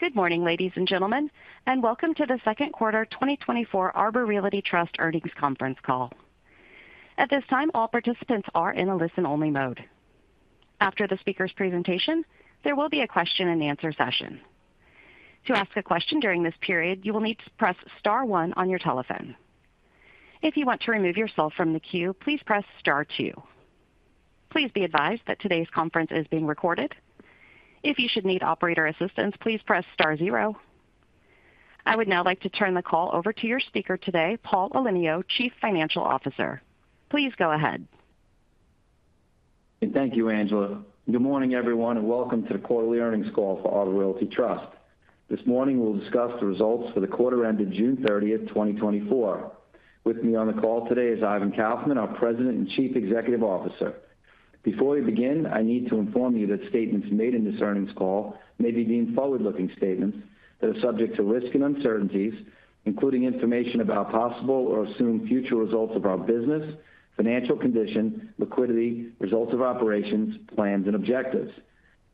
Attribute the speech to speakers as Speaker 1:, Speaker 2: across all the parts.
Speaker 1: Good morning, ladies and gentlemen, and welcome to the second quarter 2024 Arbor Realty Trust earnings conference call. At this time, all participants are in a listen-only mode. After the speaker's presentation, there will be a question-and-answer session. To ask a question during this period, you will need to press star one on your telephone. If you want to remove yourself from the queue, please press star two. Please be advised that today's conference is being recorded. If you should need operator assistance, please press star zero. I would now like to turn the call over to your speaker today, Paul Elenio, Chief Financial Officer. Please go ahead.
Speaker 2: Thank you, Angela. Good morning, everyone, and welcome to the quarterly earnings call for Arbor Realty Trust. This morning, we'll discuss the results for the quarter ended June 30th, 2024. With me on the call today is Ivan Kaufman, our President and Chief Executive Officer. Before we begin, I need to inform you that statements made in this earnings call may be deemed forward-looking statements that are subject to risk and uncertainties, including information about possible or assumed future results of our business, financial condition, liquidity, results of operations, plans, and objectives.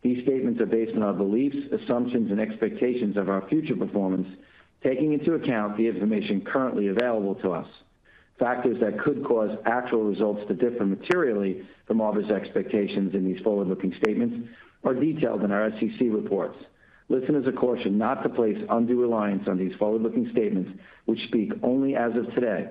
Speaker 2: These statements are based on our beliefs, assumptions, and expectations of our future performance, taking into account the information currently available to us. Factors that could cause actual results to differ materially from Arbor's expectations in these forward-looking statements are detailed in our SEC reports. Listeners are cautioned not to place undue reliance on these forward-looking statements, which speak only as of today.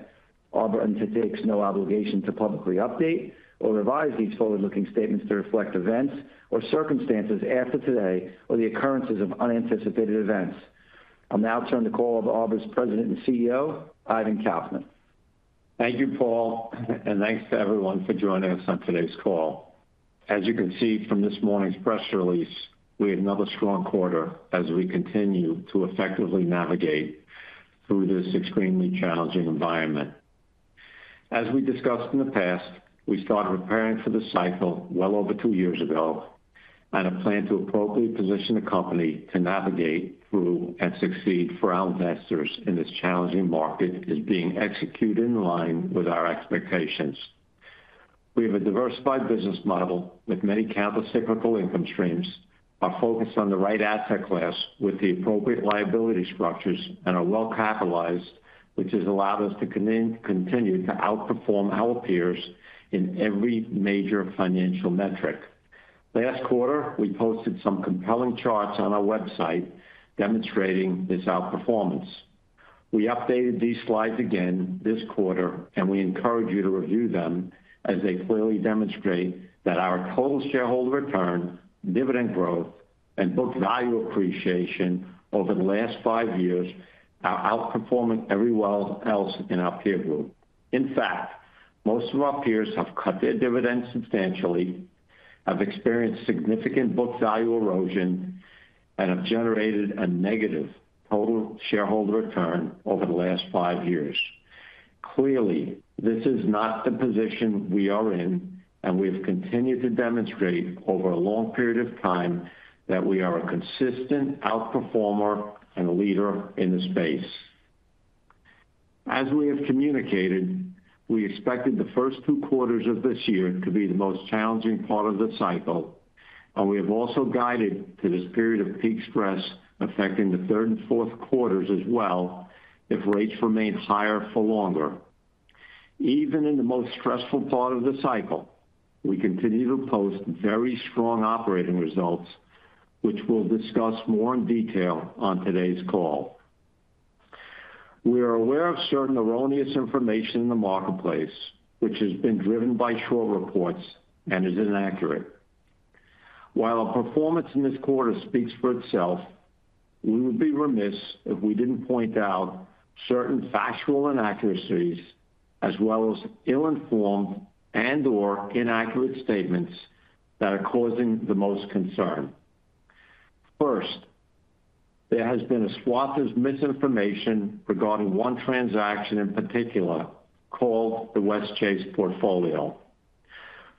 Speaker 2: Arbor entertains no obligation to publicly update or revise these forward-looking statements to reflect events or circumstances after today or the occurrences of unanticipated events. I'll now turn the call over to Arbor's President and CEO, Ivan Kaufman.
Speaker 3: Thank you, Paul, and thanks to everyone for joining us on today's call. As you can see from this morning's press release, we have another strong quarter as we continue to effectively navigate through this extremely challenging environment. As we discussed in the past, we started preparing for the cycle well over two years ago, and our plan to appropriately position the company to navigate through and succeed for our investors in this challenging market is being executed in line with our expectations. We have a diversified business model with many countercyclical income streams, are focused on the right asset class with the appropriate liability structures, and are well capitalized, which has allowed us to continue to outperform our peers in every major financial metric. Last quarter, we posted some compelling charts on our website demonstrating this outperformance. We updated these slides again this quarter, and we encourage you to review them as they clearly demonstrate that our total shareholder return, dividend growth, and book value appreciation over the last five years are outperforming everyone else in our peer group. In fact, most of our peers have cut their dividends substantially, have experienced significant book value erosion, and have generated a negative total shareholder return over the last five years. Clearly, this is not the position we are in, and we have continued to demonstrate over a long period of time that we are a consistent outperformer and leader in the space. As we have communicated, we expected the first two quarters of this year to be the most challenging part of the cycle, and we have also guided to this period of peak stress affecting the third and fourth quarters as well if rates remain higher for longer. Even in the most stressful part of the cycle, we continue to post very strong operating results, which we'll discuss more in detail on today's call. We are aware of certain erroneous information in the marketplace, which has been driven by short reports and is inaccurate. While our performance in this quarter speaks for itself, we would be remiss if we didn't point out certain factual inaccuracies as well as ill-informed and/or inaccurate statements that are causing the most concern. First, there has been a swath of misinformation regarding one transaction in particular called the Westchase portfolio.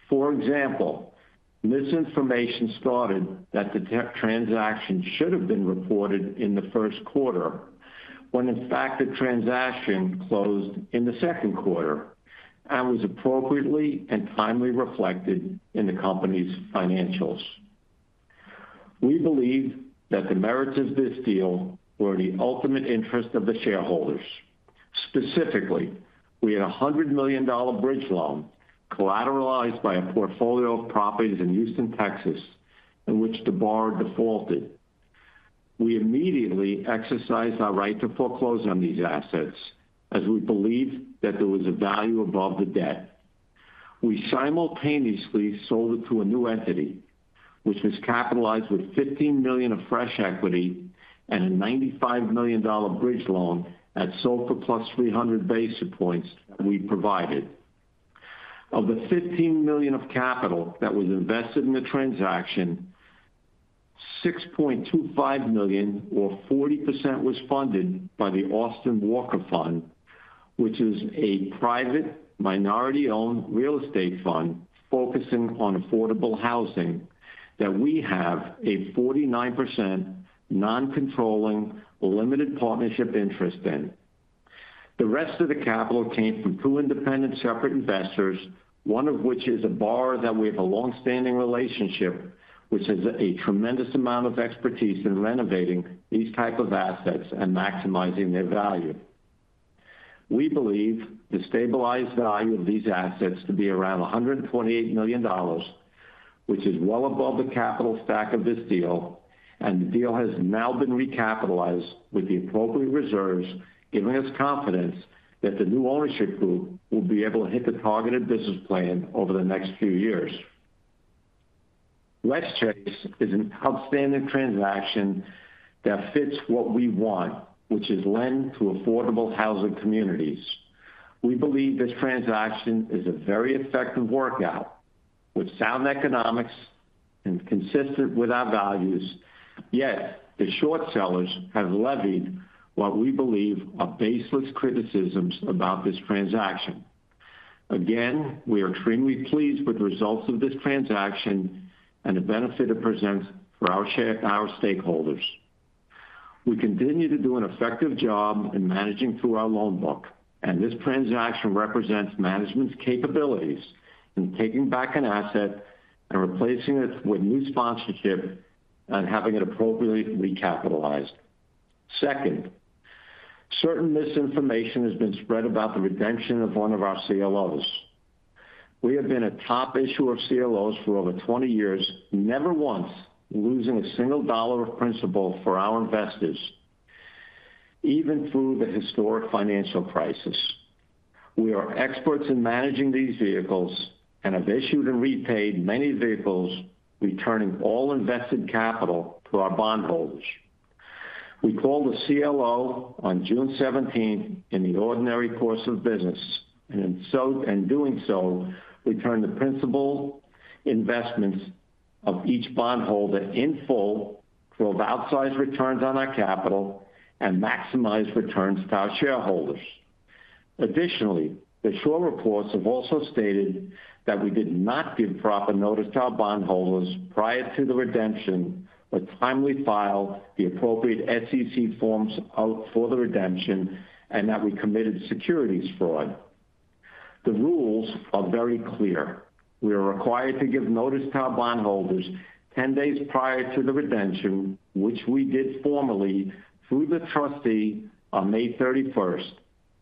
Speaker 3: For example, misinformation started that the transaction should have been reported in the first quarter when, in fact, the transaction closed in the second quarter and was appropriately and timely reflected in the company's financials. We believe that the merits of this deal were in the ultimate interest of the shareholders. Specifically, we had a $100 million bridge loan collateralized by a portfolio of properties in Houston, Texas, in which the borrower defaulted. We immediately exercised our right to foreclose on these assets as we believed that there was a value above the debt. We simultaneously sold it to a new entity, which was capitalized with $15 million of fresh equity and a $95 million bridge loan at SOFR plus 300 basis points that we provided. Of the $15 million of capital that was invested in the transaction, $6.25 million, or 40%, was funded by the Austin Walker Fund, which is a private minority-owned real estate fund focusing on affordable housing that we have a 49% non-controlling limited partnership interest in. The rest of the capital came from two independent separate investors, one of which is a borrower that we have a long-standing relationship with, which has a tremendous amount of expertise in renovating these types of assets and maximizing their value. We believe the stabilized value of these assets to be around $128 million, which is well above the capital stack of this deal, and the deal has now been recapitalized with the appropriate reserves, giving us confidence that the new ownership group will be able to hit the targeted business plan over the next few years. Westchase is an outstanding transaction that fits what we want, which is lending to affordable housing communities. We believe this transaction is a very effective workout with sound economics and consistent with our values, yet the short sellers have levied what we believe are baseless criticisms about this transaction. Again, we are extremely pleased with the results of this transaction and the benefit it presents for our stakeholders. We continue to do an effective job in managing through our loan book, and this transaction represents management's capabilities in taking back an asset and replacing it with new sponsorship and having it appropriately recapitalized. Second, certain misinformation has been spread about the redemption of one of our CLOs. We have been a top issuer of CLOs for over 20 years, never once losing a single dollar of principal for our investors, even through the historic financial crisis. We are experts in managing these vehicles and have issued and repaid many vehicles, returning all invested capital to our bondholders. We called a CLO on June 17th in the ordinary course of business, and in doing so, returned the principal investments of each bondholder in full to have outsized returns on our capital and maximized returns to our shareholders. Additionally, the short reports have also stated that we did not give proper notice to our bondholders prior to the redemption, but timely filed the appropriate SEC forms for the redemption and that we committed securities fraud. The rules are very clear. We are required to give notice to our bondholders 10 days prior to the redemption, which we did formally through the trustee on May 31st,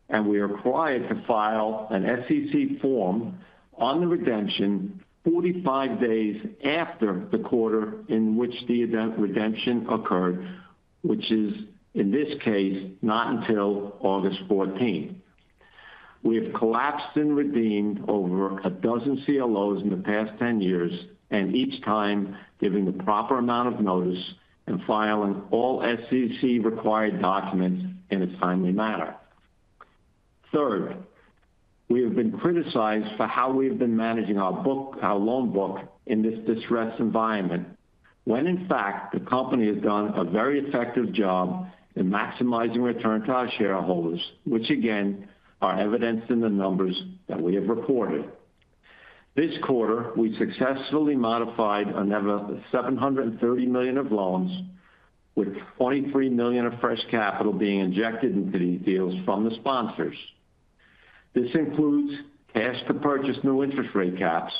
Speaker 3: and we are required to file an SEC form on the redemption 45 days after the quarter in which the redemption occurred, which is, in this case, not until August 14. We have collapsed and redeemed over a dozen CLOs in the past 10 years, and each time giving the proper amount of notice and filing all SEC-required documents in a timely manner. Third, we have been criticized for how we have been managing our loan book in this distressed environment when, in fact, the company has done a very effective job in maximizing returns to our shareholders, which, again, are evidenced in the numbers that we have reported. This quarter, we successfully modified a net worth of $730 million of loans, with $23 million of fresh capital being injected into these deals from the sponsors. This includes cash to purchase new interest rate caps,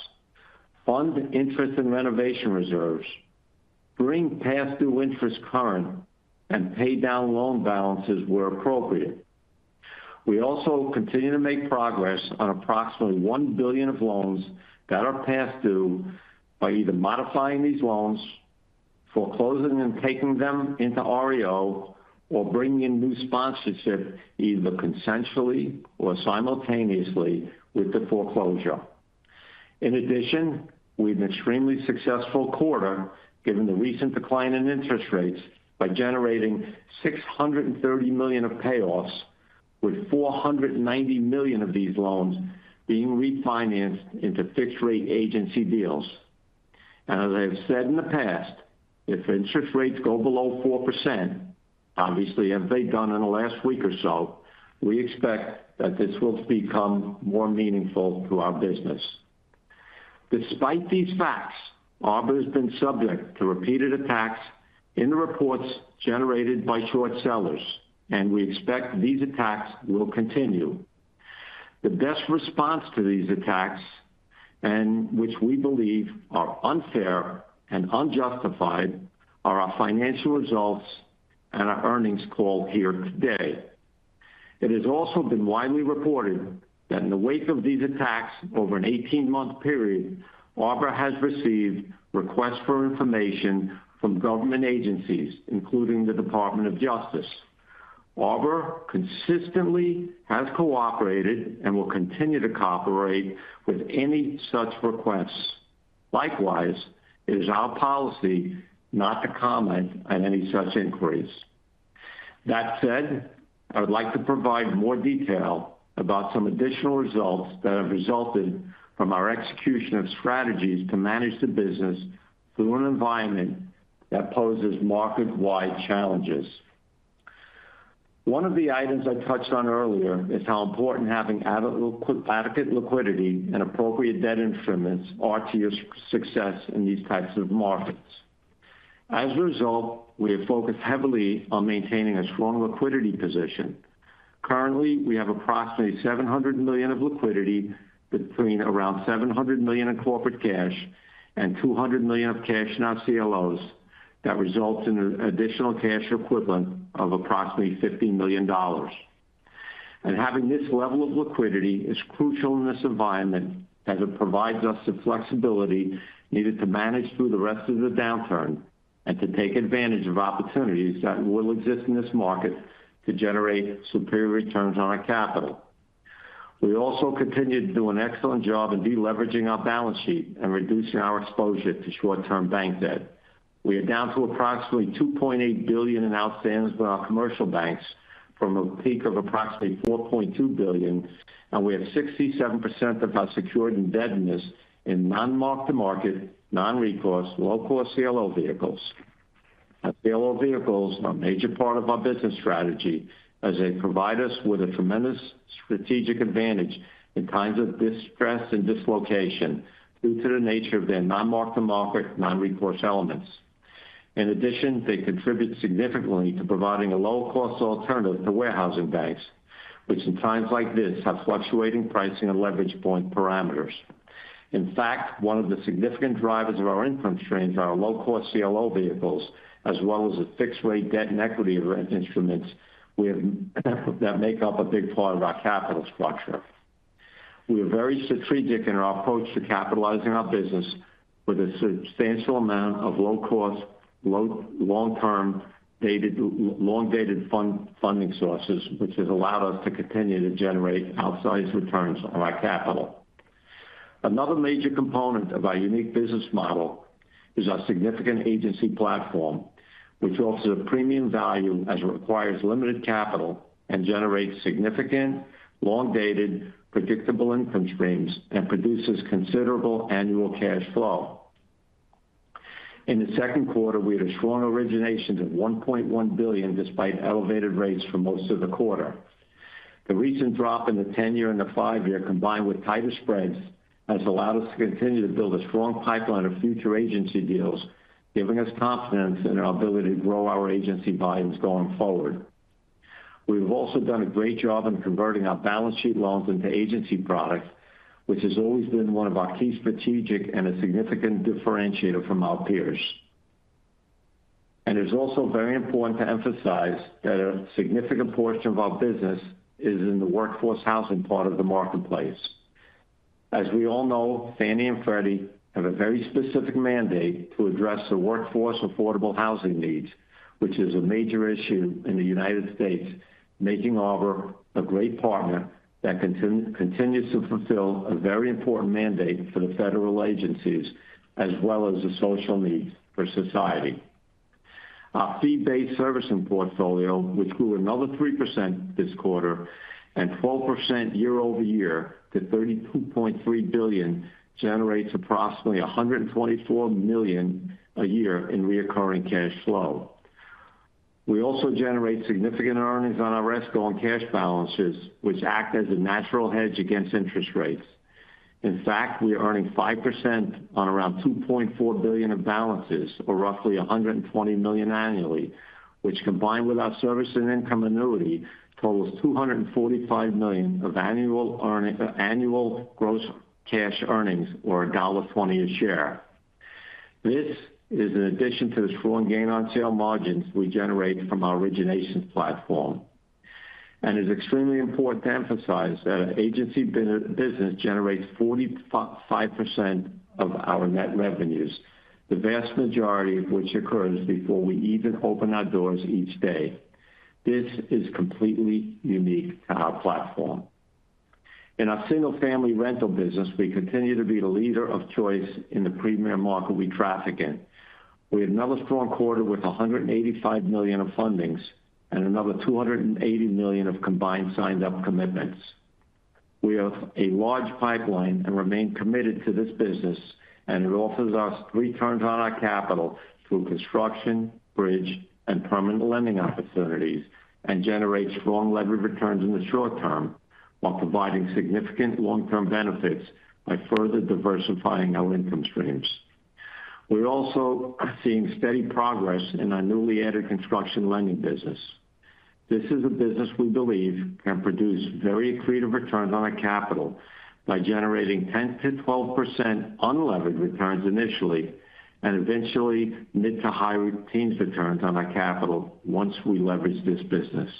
Speaker 3: fund interest and renovation reserves, bring past-due interest current, and pay down loan balances where appropriate. We also continue to make progress on approximately $1 billion of loans that are past due by either modifying these loans, foreclosing and taking them into REO, or bringing in new sponsorship either consensually or simultaneously with the foreclosure. In addition, we had an extremely successful quarter given the recent decline in interest rates by generating $630 million of payoffs, with $490 million of these loans being refinanced into fixed-rate agency deals. As I have said in the past, if interest rates go below 4%, obviously, as they've done in the last week or so, we expect that this will become more meaningful to our business. Despite these facts, Arbor has been subject to repeated attacks in the reports generated by short sellers, and we expect these attacks will continue. The best response to these attacks, and which we believe are unfair and unjustified, are our financial results and our earnings call here today. It has also been widely reported that in the wake of these attacks, over an 18-month period, Arbor has received requests for information from government agencies, including the Department of Justice. Arbor consistently has cooperated and will continue to cooperate with any such requests. Likewise, it is our policy not to comment on any such inquiries. That said, I would like to provide more detail about some additional results that have resulted from our execution of strategies to manage the business through an environment that poses market-wide challenges. One of the items I touched on earlier is how important having adequate liquidity and appropriate debt instruments are to your success in these types of markets. As a result, we have focused heavily on maintaining a strong liquidity position. Currently, we have approximately $700 million of liquidity between around $700 million in corporate cash and $200 million of cash in our CLOs that results in an additional cash equivalent of approximately $15 million. Having this level of liquidity is crucial in this environment as it provides us the flexibility needed to manage through the rest of the downturn and to take advantage of opportunities that will exist in this market to generate superior returns on our capital. We also continue to do an excellent job in deleveraging our balance sheet and reducing our exposure to short-term bank debt. We are down to approximately $2.8 billion in outstandings with our commercial banks from a peak of approximately $4.2 billion, and we have 67% of our secured indebtedness in non-mark-to-market, non-recourse, low-cost CLO vehicles. Our CLO vehicles are a major part of our business strategy as they provide us with a tremendous strategic advantage in times of distress and dislocation due to the nature of their non-mark-to-market, non-recourse elements. In addition, they contribute significantly to providing a low-cost alternative to warehousing banks, which in times like this have fluctuating pricing and leverage point parameters. In fact, one of the significant drivers of our income streams are our low-cost CLO vehicles, as well as the fixed-rate debt and equity instruments that make up a big part of our capital structure. We are very strategic in our approach to capitalizing our business with a substantial amount of low-cost, long-dated funding sources, which has allowed us to continue to generate outsized returns on our capital. Another major component of our unique business model is our significant agency platform, which offers a premium value as it requires limited capital and generates significant, long-dated, predictable income streams and produces considerable annual cash flow. In the second quarter, we had a strong origination of $1.1 billion despite elevated rates for most of the quarter. The recent drop in the 10-year and the 5-year, combined with tighter spreads, has allowed us to continue to build a strong pipeline of future agency deals, giving us confidence in our ability to grow our agency volumes going forward. We have also done a great job in converting our balance sheet loans into agency products, which has always been one of our key strategic and a significant differentiator from our peers. It is also very important to emphasize that a significant portion of our business is in the workforce housing part of the marketplace. As we all know, Fannie and Freddie have a very specific mandate to address the workforce affordable housing needs, which is a major issue in the United States, making Arbor a great partner that continues to fulfill a very important mandate for the federal agencies as well as the social needs for society. Our fee-based servicing portfolio, which grew another 3% this quarter and 12% year-over-year to $32.3 billion, generates approximately $124 million a year in recurring cash flow. We also generate significant earnings on our escrow and cash balances, which act as a natural hedge against interest rates. In fact, we are earning 5% on around $2.4 billion of balances, or roughly $120 million annually, which, combined with our service and income annuity, totals $245 million of annual gross cash earnings, or $1.20 a share. This is in addition to the strong gain on sale margins we generate from our origination platform. It is extremely important to emphasize that our agency business generates 45% of our net revenues, the vast majority of which occurs before we even open our doors each day. This is completely unique to our platform. In our single-family rental business, we continue to be the leader of choice in the premier market we traffic in. We have another strong quarter with $185 million of fundings and another $280 million of combined signed-up commitments. We have a large pipeline and remain committed to this business, and it offers us returns on our capital through construction, bridge, and permanent lending opportunities, and generates strong leverage returns in the short term while providing significant long-term benefits by further diversifying our income streams. We're also seeing steady progress in our newly added construction lending business. This is a business we believe can produce very accretive returns on our capital by generating 10%-12% unleveraged returns initially and eventually mid to high-returns on our capital once we leverage this business.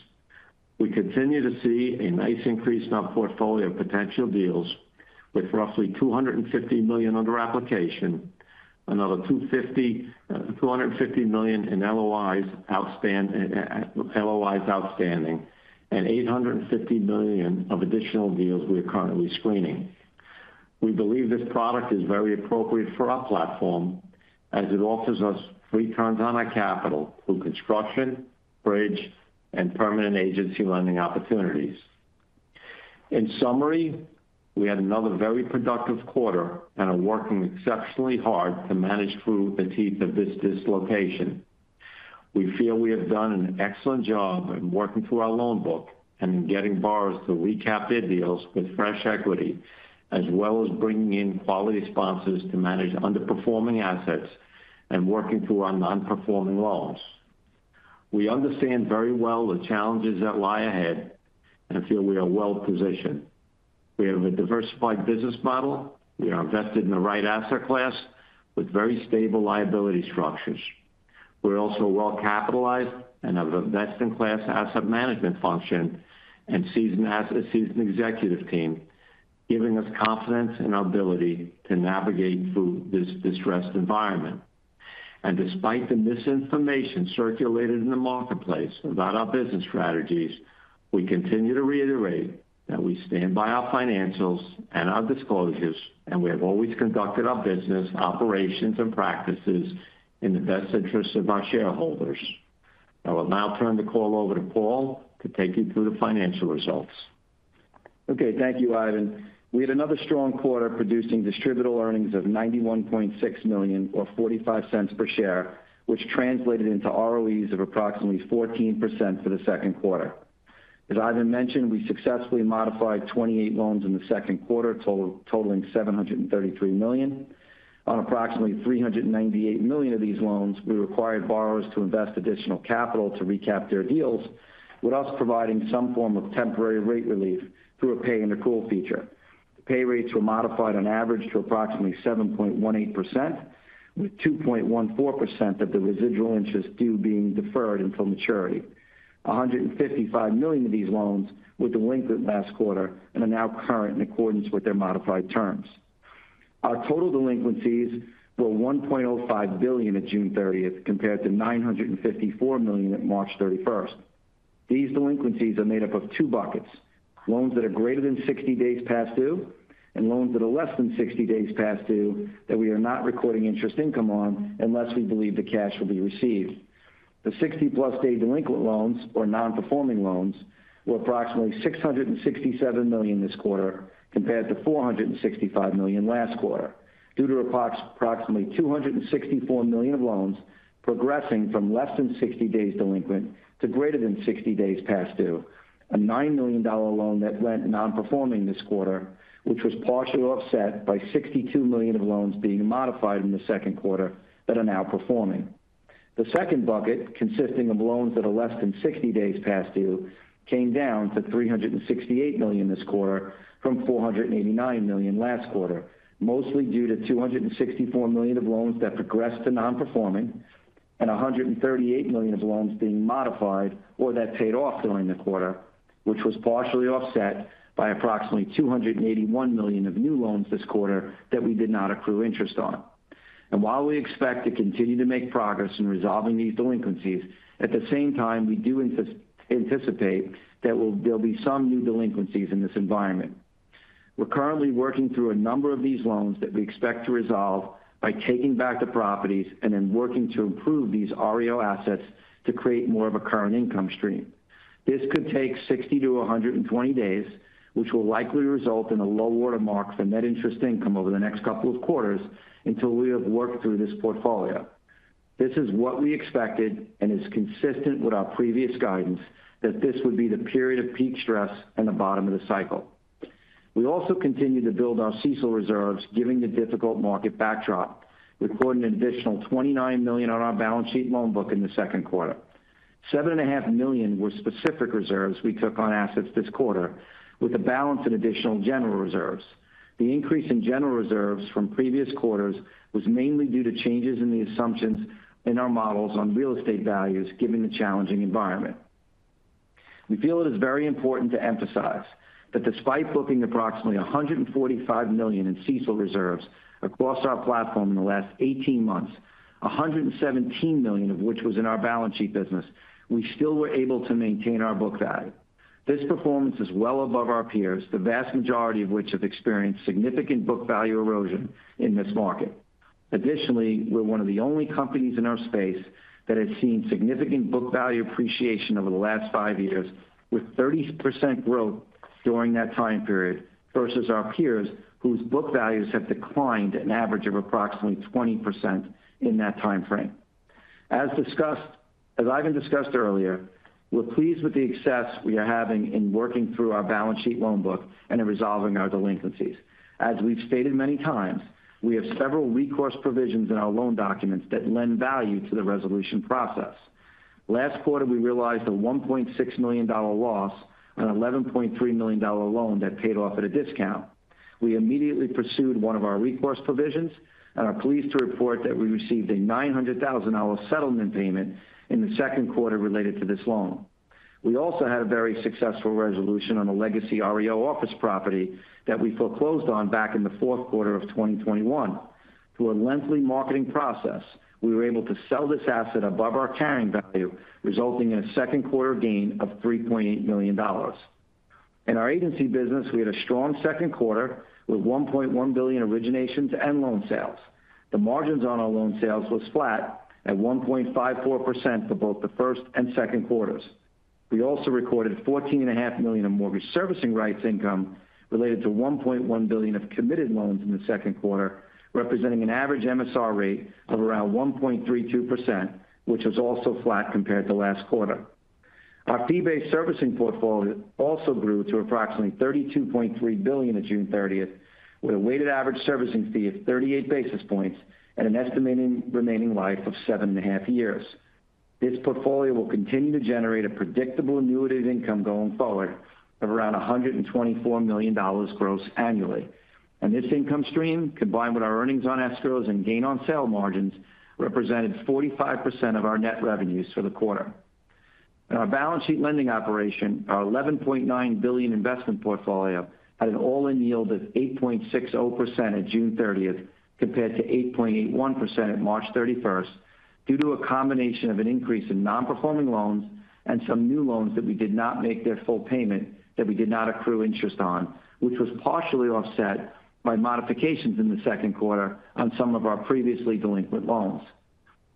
Speaker 3: We continue to see a nice increase in our portfolio of potential deals with roughly $250 million under application, another $250 million in LOIs outstanding, and $850 million of additional deals we are currently screening. We believe this product is very appropriate for our platform as it offers us returns on our capital through construction, bridge, and permanent agency lending opportunities. In summary, we had another very productive quarter and are working exceptionally hard to manage through the teeth of this dislocation. We feel we have done an excellent job in working through our loan book and in getting borrowers to recap their deals with fresh equity, as well as bringing in quality sponsors to manage underperforming assets and working through our non-performing loans. We understand very well the challenges that lie ahead and feel we are well positioned. We have a diversified business model. We are invested in the right asset class with very stable liability structures. We're also well capitalized and have a best-in-class asset management function and seasoned executive team, giving us confidence in our ability to navigate through this distressed environment. Despite the misinformation circulated in the marketplace about our business strategies, we continue to reiterate that we stand by our financials and our disclosures, and we have always conducted our business operations and practices in the best interests of our shareholders. I will now turn the call over to Paul to take you through the financial results.
Speaker 2: Okay. Thank you, Ivan. We had another strong quarter producing distributable earnings of $91.6 million, or $0.45 per share, which translated into ROEs of approximately 14% for the second quarter. As Ivan mentioned, we successfully modified 28 loans in the second quarter, totaling $733 million. On approximately $398 million of these loans, we required borrowers to invest additional capital to recap their deals with us providing some form of temporary rate relief through a pay-and-accrual feature. Pay rates were modified on average to approximately 7.18%, with 2.14% of the residual interest due being deferred until maturity. $155 million of these loans were delinquent last quarter and are now current in accordance with their modified terms. Our total delinquencies were $1.05 billion at June 30th compared to $954 million at March 31st. These delinquencies are made up of two buckets: loans that are greater than 60 days past due, and loans that are less than 60 days past due that we are not recording interest income on unless we believe the cash will be received. The 60+ day delinquent loans, or non-performing loans, were approximately $667 million this quarter compared to $465 million last quarter, due to approximately $264 million of loans progressing from less than 60 days delinquent to greater than 60 days past due. A $9 million loan that went non-performing this quarter, which was partially offset by $62 million of loans being modified in the second quarter that are now performing. The second bucket, consisting of loans that are less than 60 days past due, came down to $368 million this quarter from $489 million last quarter, mostly due to $264 million of loans that progressed to non-performing and $138 million of loans being modified or that paid off during the quarter, which was partially offset by approximately $281 million of new loans this quarter that we did not accrue interest on. While we expect to continue to make progress in resolving these delinquencies, at the same time, we do anticipate that there'll be some new delinquencies in this environment. We're currently working through a number of these loans that we expect to resolve by taking back the properties and then working to improve these REO assets to create more of a current income stream. This could take 60-120 days, which will likely result in a low water mark for net interest income over the next couple of quarters until we have worked through this portfolio. This is what we expected and is consistent with our previous guidance that this would be the period of peak stress and the bottom of the cycle. We also continue to build our CECL reserves, given the difficult market backdrop, recording an additional $29 million on our balance sheet loan book in the second quarter. $7.5 million were specific reserves we took on assets this quarter, with a balance in additional general reserves. The increase in general reserves from previous quarters was mainly due to changes in the assumptions in our models on real estate values, given the challenging environment. We feel it is very important to emphasize that despite booking approximately $145 million in CECL reserves across our platform in the last 18 months, $117 million of which was in our balance sheet business, we still were able to maintain our book value. This performance is well above our peers, the vast majority of which have experienced significant book value erosion in this market. Additionally, we're one of the only companies in our space that has seen significant book value appreciation over the last five years, with 30% growth during that time period versus our peers whose book values have declined an average of approximately 20% in that time frame. As Ivan discussed earlier, we're pleased with the success we are having in working through our balance sheet loan book and in resolving our delinquencies. As we've stated many times, we have several recourse provisions in our loan documents that lend value to the resolution process. Last quarter, we realized a $1.6 million loss on an $11.3 million loan that paid off at a discount. We immediately pursued one of our recourse provisions and are pleased to report that we received a $900,000 settlement payment in the second quarter related to this loan. We also had a very successful resolution on a legacy REO office property that we foreclosed on back in the fourth quarter of 2021. Through a lengthy marketing process, we were able to sell this asset above our carrying value, resulting in a second quarter gain of $3.8 million. In our agency business, we had a strong second quarter with $1.1 billion originations and loan sales. The margins on our loan sales were flat at 1.54% for both the first and second quarters. We also recorded $14.5 million of mortgage servicing rights income related to $1.1 billion of committed loans in the second quarter, representing an average MSR rate of around 1.32%, which was also flat compared to last quarter. Our fee-based servicing portfolio also grew to approximately $32.3 billion at June 30th, with a weighted average servicing fee of 38 basis points and an estimated remaining life of 7.5 years. This portfolio will continue to generate a predictable annuity of income going forward of around $124 million gross annually. This income stream, combined with our earnings on escrows and gain on sale margins, represented 45% of our net revenues for the quarter. In our balance sheet lending operation, our $11.9 billion investment portfolio had an all-in yield of 8.60% at June 30th compared to 8.81% at March 31st, due to a combination of an increase in non-performing loans and some new loans that did not make their full payment that we did not accrue interest on, which was partially offset by modifications in the second quarter on some of our previously delinquent loans.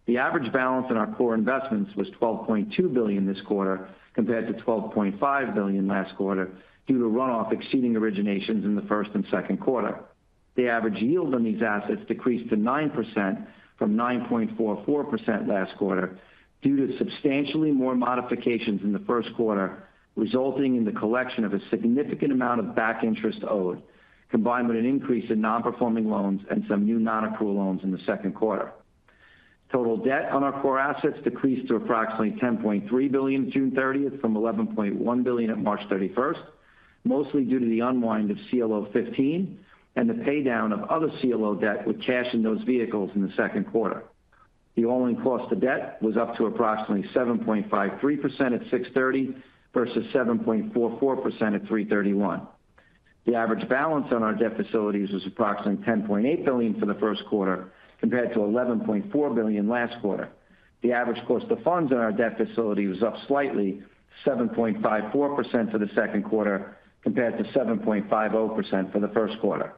Speaker 2: The average balance in our core investments was $12.2 billion this quarter compared to $12.5 billion last quarter, due to runoff exceeding originations in the first and second quarter. The average yield on these assets decreased to 9% from 9.44% last quarter, due to substantially more modifications in the first quarter, resulting in the collection of a significant amount of back interest owed, combined with an increase in non-performing loans and some new non-accrual loans in the second quarter. Total debt on our core assets decreased to approximately $10.3 billion, June 30th from $11.1 billion at March 31st, mostly due to the unwind of CLO 15 and the paydown of other CLO debt with cash in those vehicles in the second quarter. The all-in cost of debt was up to approximately 7.53% at 6/30 versus 7.44% at 3/31. The average balance on our debt facilities was approximately $10.8 billion for the first quarter compared to $11.4 billion last quarter. The average cost of funds on our debt facility was up slightly, 7.54% for the second quarter compared to 7.50% for the first quarter.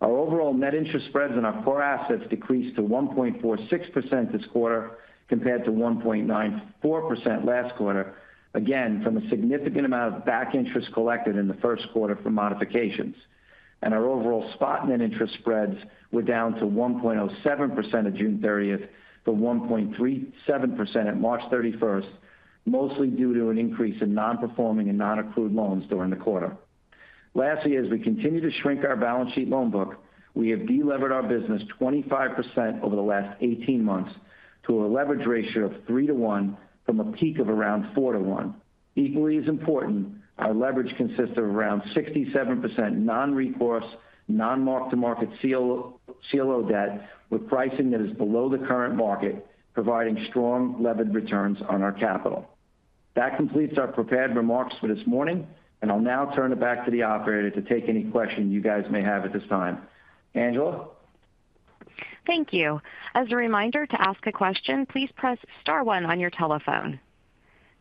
Speaker 2: Our overall net interest spreads on our core assets decreased to 1.46% this quarter compared to 1.94% last quarter, again from a significant amount of back interest collected in the first quarter from modifications. Our overall spot net interest spreads were down to 1.07% at June 30th to 1.37% at March 31st, mostly due to an increase in non-performing and non-accrued loans during the quarter. Lastly, as we continue to shrink our balance sheet loan book, we have delevered our business 25% over the last 18 months to a leverage ratio of 3 to 1 from a peak of around 4 to 1. Equally as important, our leverage consists of around 67% non-recourse, non-mark-to-market CLO debt with pricing that is below the current market, providing strong levered returns on our capital. That completes our prepared remarks for this morning, and I'll now turn it back to the operator to take any questions you guys may have at this time. Angela?
Speaker 1: Thank you. As a reminder, to ask a question, please press star one on your telephone.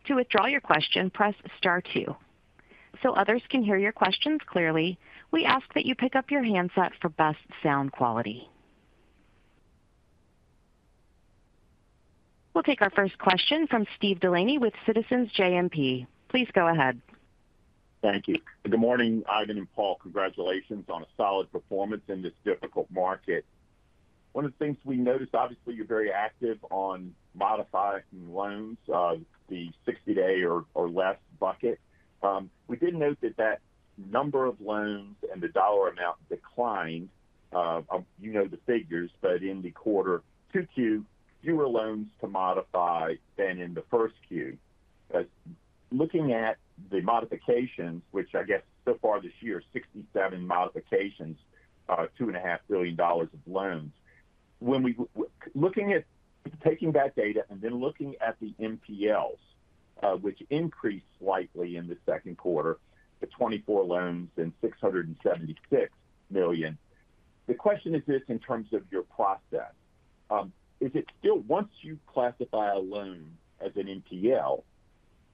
Speaker 1: To withdraw your question, press star two. So others can hear your questions clearly, we ask that you pick up your handset for best sound quality. We'll take our first question from Steve DeLaney with Citizens JMP. Please go ahead.
Speaker 4: Thank you. Good morning, Ivan and Paul. Congratulations on a solid performance in this difficult market. One of the things we noticed, obviously, you're very active on modified loans, the 60-day or less bucket. We did note that that number of loans and the dollar amount declined. You know the figures, but in Q2, fewer loans to modify than in Q1. Looking at the modifications, which I guess so far this year is 67 modifications, $2.5 billion of loans. Looking at taking that data and then looking at the NPLs, which increased slightly in the second quarter, the 24 loans and $676 million, the question is this in terms of your process. Once you classify a loan as an NPL,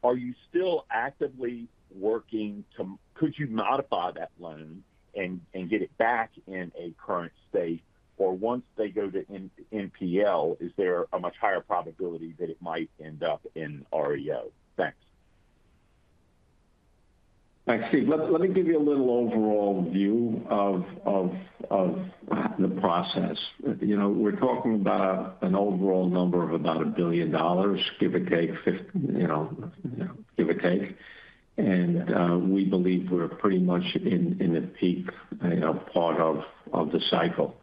Speaker 4: are you still actively working to could you modify that loan and get it back in a current state, or once they go to NPL, is there a much higher probability that it might end up in REO? Thanks.
Speaker 3: Thanks, Steve. Let me give you a little overall view of the process. We're talking about an overall number of about $1 billion, give or take, give or take. We believe we're pretty much in the peak part of the cycle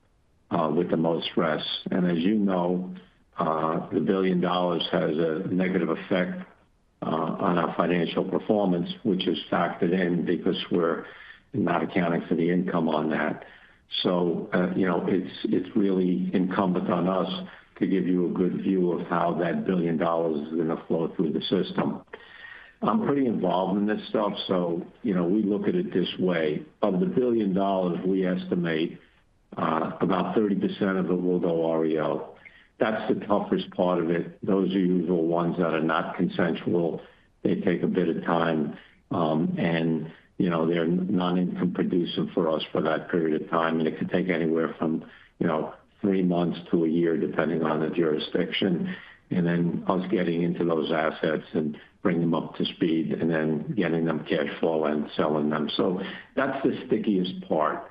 Speaker 3: with the most stress. As you know, the $1 billion has a negative effect on our financial performance, which is factored in because we're not accounting for the income on that. It's really incumbent on us to give you a good view of how that $1 billion is going to flow through the system. I'm pretty involved in this stuff, so we look at it this way. Of the $1 billion, we estimate about 30% of it will go REO. That's the toughest part of it. Those are usual ones that are not consensual. They take a bit of time, and they're non-income producing for us for that period of time. It could take anywhere from three months to a year, depending on the jurisdiction. And then us getting into those assets and bringing them up to speed and then getting them cash flow and selling them. So that's the stickiest part.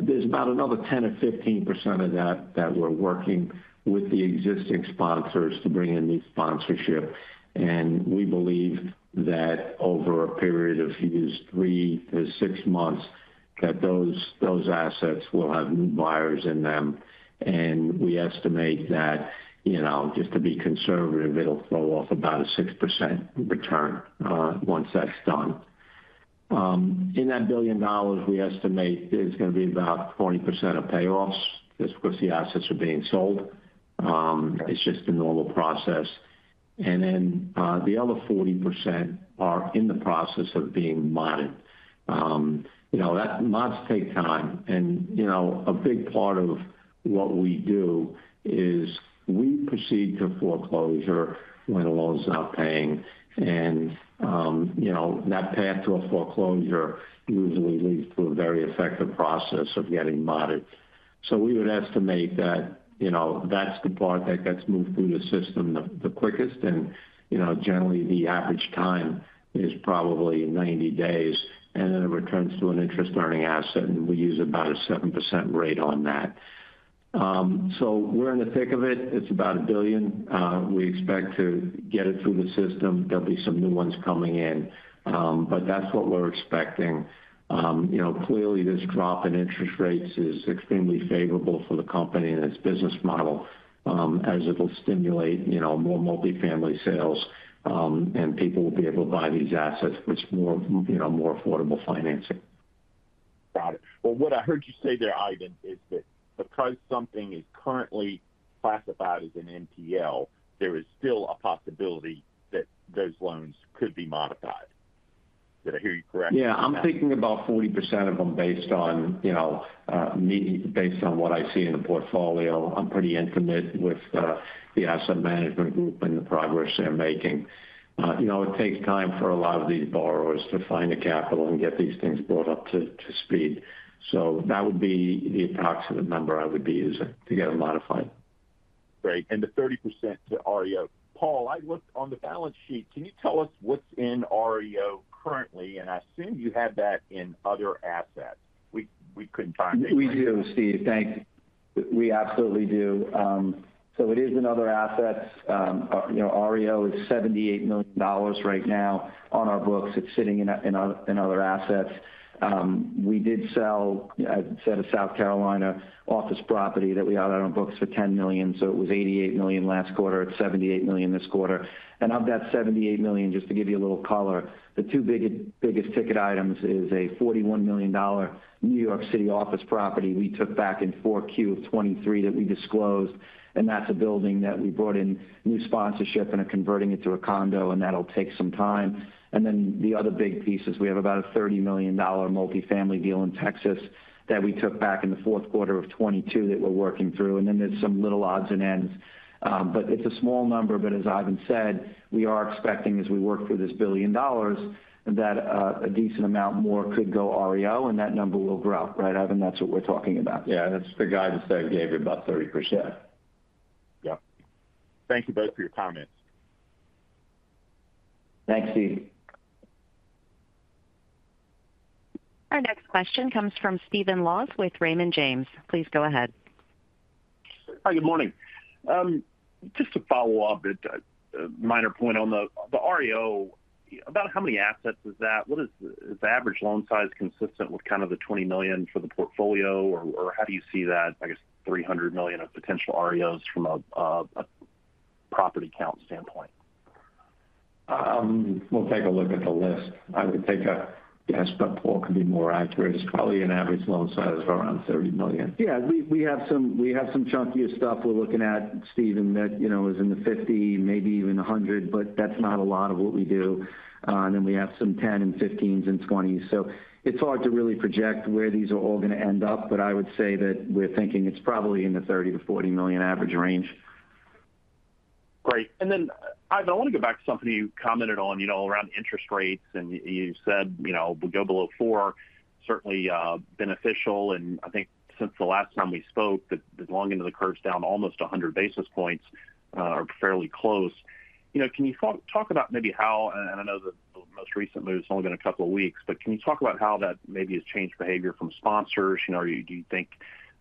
Speaker 3: There's about another 10% or 15% of that that we're working with the existing sponsors to bring in new sponsorship. And we believe that over a period of three to six months, that those assets will have new buyers in them. And we estimate that, just to be conservative, it'll throw off about a 6% return once that's done. In that $1 billion, we estimate there's going to be about 20% of payoffs just because the assets are being sold. It's just a normal process. And then the other 40% are in the process of being modded. Mods take time. A big part of what we do is we proceed to foreclosure when a loan's not paying. That path to a foreclosure usually leads to a very effective process of getting modified. We would estimate that that's the part that gets moved through the system the quickest. Generally, the average time is probably 90 days. Then it returns to an interest-earning asset, and we use about a 7% rate on that. We're in the thick of it. It's about $1 billion. We expect to get it through the system. There'll be some new ones coming in, but that's what we're expecting. Clearly, this drop in interest rates is extremely favorable for the company and its business model as it'll stimulate more multifamily sales, and people will be able to buy these assets with more affordable financing.
Speaker 4: Got it. Well, what I heard you say there, Ivan, is that because something is currently classified as an NPL, there is still a possibility that those loans could be modified. Did I hear you correctly?
Speaker 3: Yeah. I'm thinking about 40% of them based on what I see in the portfolio. I'm pretty intimate with the asset management group and the progress they're making. It takes time for a lot of these borrowers to find the capital and get these things brought up to speed. So that would be the approximate number I would be using to get it modified.
Speaker 4: Great. And the 30% to REO. Paul, I looked on the balance sheet. Can you tell us what's in REO currently? And I assume you have that in other assets. We couldn't find it.
Speaker 2: We do, Steve. Thank you. We absolutely do. So it is in other assets. REO is $78 million right now on our books. It's sitting in other assets. We did sell, as I said, a South Carolina office property that we had on our books for $10 million. So it was $88 million last quarter. It's $78 million this quarter. And of that $78 million, just to give you a little color, the two biggest ticket items are a $41 million New York City office property we took back in 4Q of 2023 that we disclosed. And that's a building that we brought in new sponsorship and are converting it to a condo, and that'll take some time. And then the other big piece is we have about a $30 million multifamily deal in Texas that we took back in the fourth quarter of 2022 that we're working through. And then there's some little odds and ends. But it's a small number, but as Ivan said, we are expecting, as we work through this $1 billion, that a decent amount more could go REO, and that number will grow, right, Ivan? That's what we're talking about.
Speaker 3: Yeah. That's the guidance that gave you about 30%.
Speaker 2: Yeah.
Speaker 4: Thank you both for your comments.
Speaker 3: Thanks, Steve.
Speaker 1: Our next question comes from Stephen Laws with Raymond James. Please go ahead.
Speaker 5: Hi, good morning. Just to follow up, a minor point on the REO, about how many assets is that? Is the average loan size consistent with kind of the $20 million for the portfolio, or how do you see that, I guess, $300 million of potential REOs from a property count standpoint?
Speaker 3: We'll take a look at the list. I would take a guess, but Paul could be more accurate. It's probably an average loan size of around $30 million.
Speaker 2: Yeah. We have some chunkier stuff we're looking at, Stephen, that is in the 50, maybe even 100, but that's not a lot of what we do. And then we have some 10 and 15s and 20s. So it's hard to really project where these are all going to end up, but I would say that we're thinking it's probably in the $30-$40 million average range.
Speaker 5: Great. And then, Ivan, I want to go back to something you commented on around interest rates. And you said we go below four, certainly beneficial. And I think since the last time we spoke, as long into the curve's down, almost 100 basis points are fairly close. Can you talk about maybe how, and I know the most recent move's only been a couple of weeks, but can you talk about how that maybe has changed behavior from sponsors? Do you think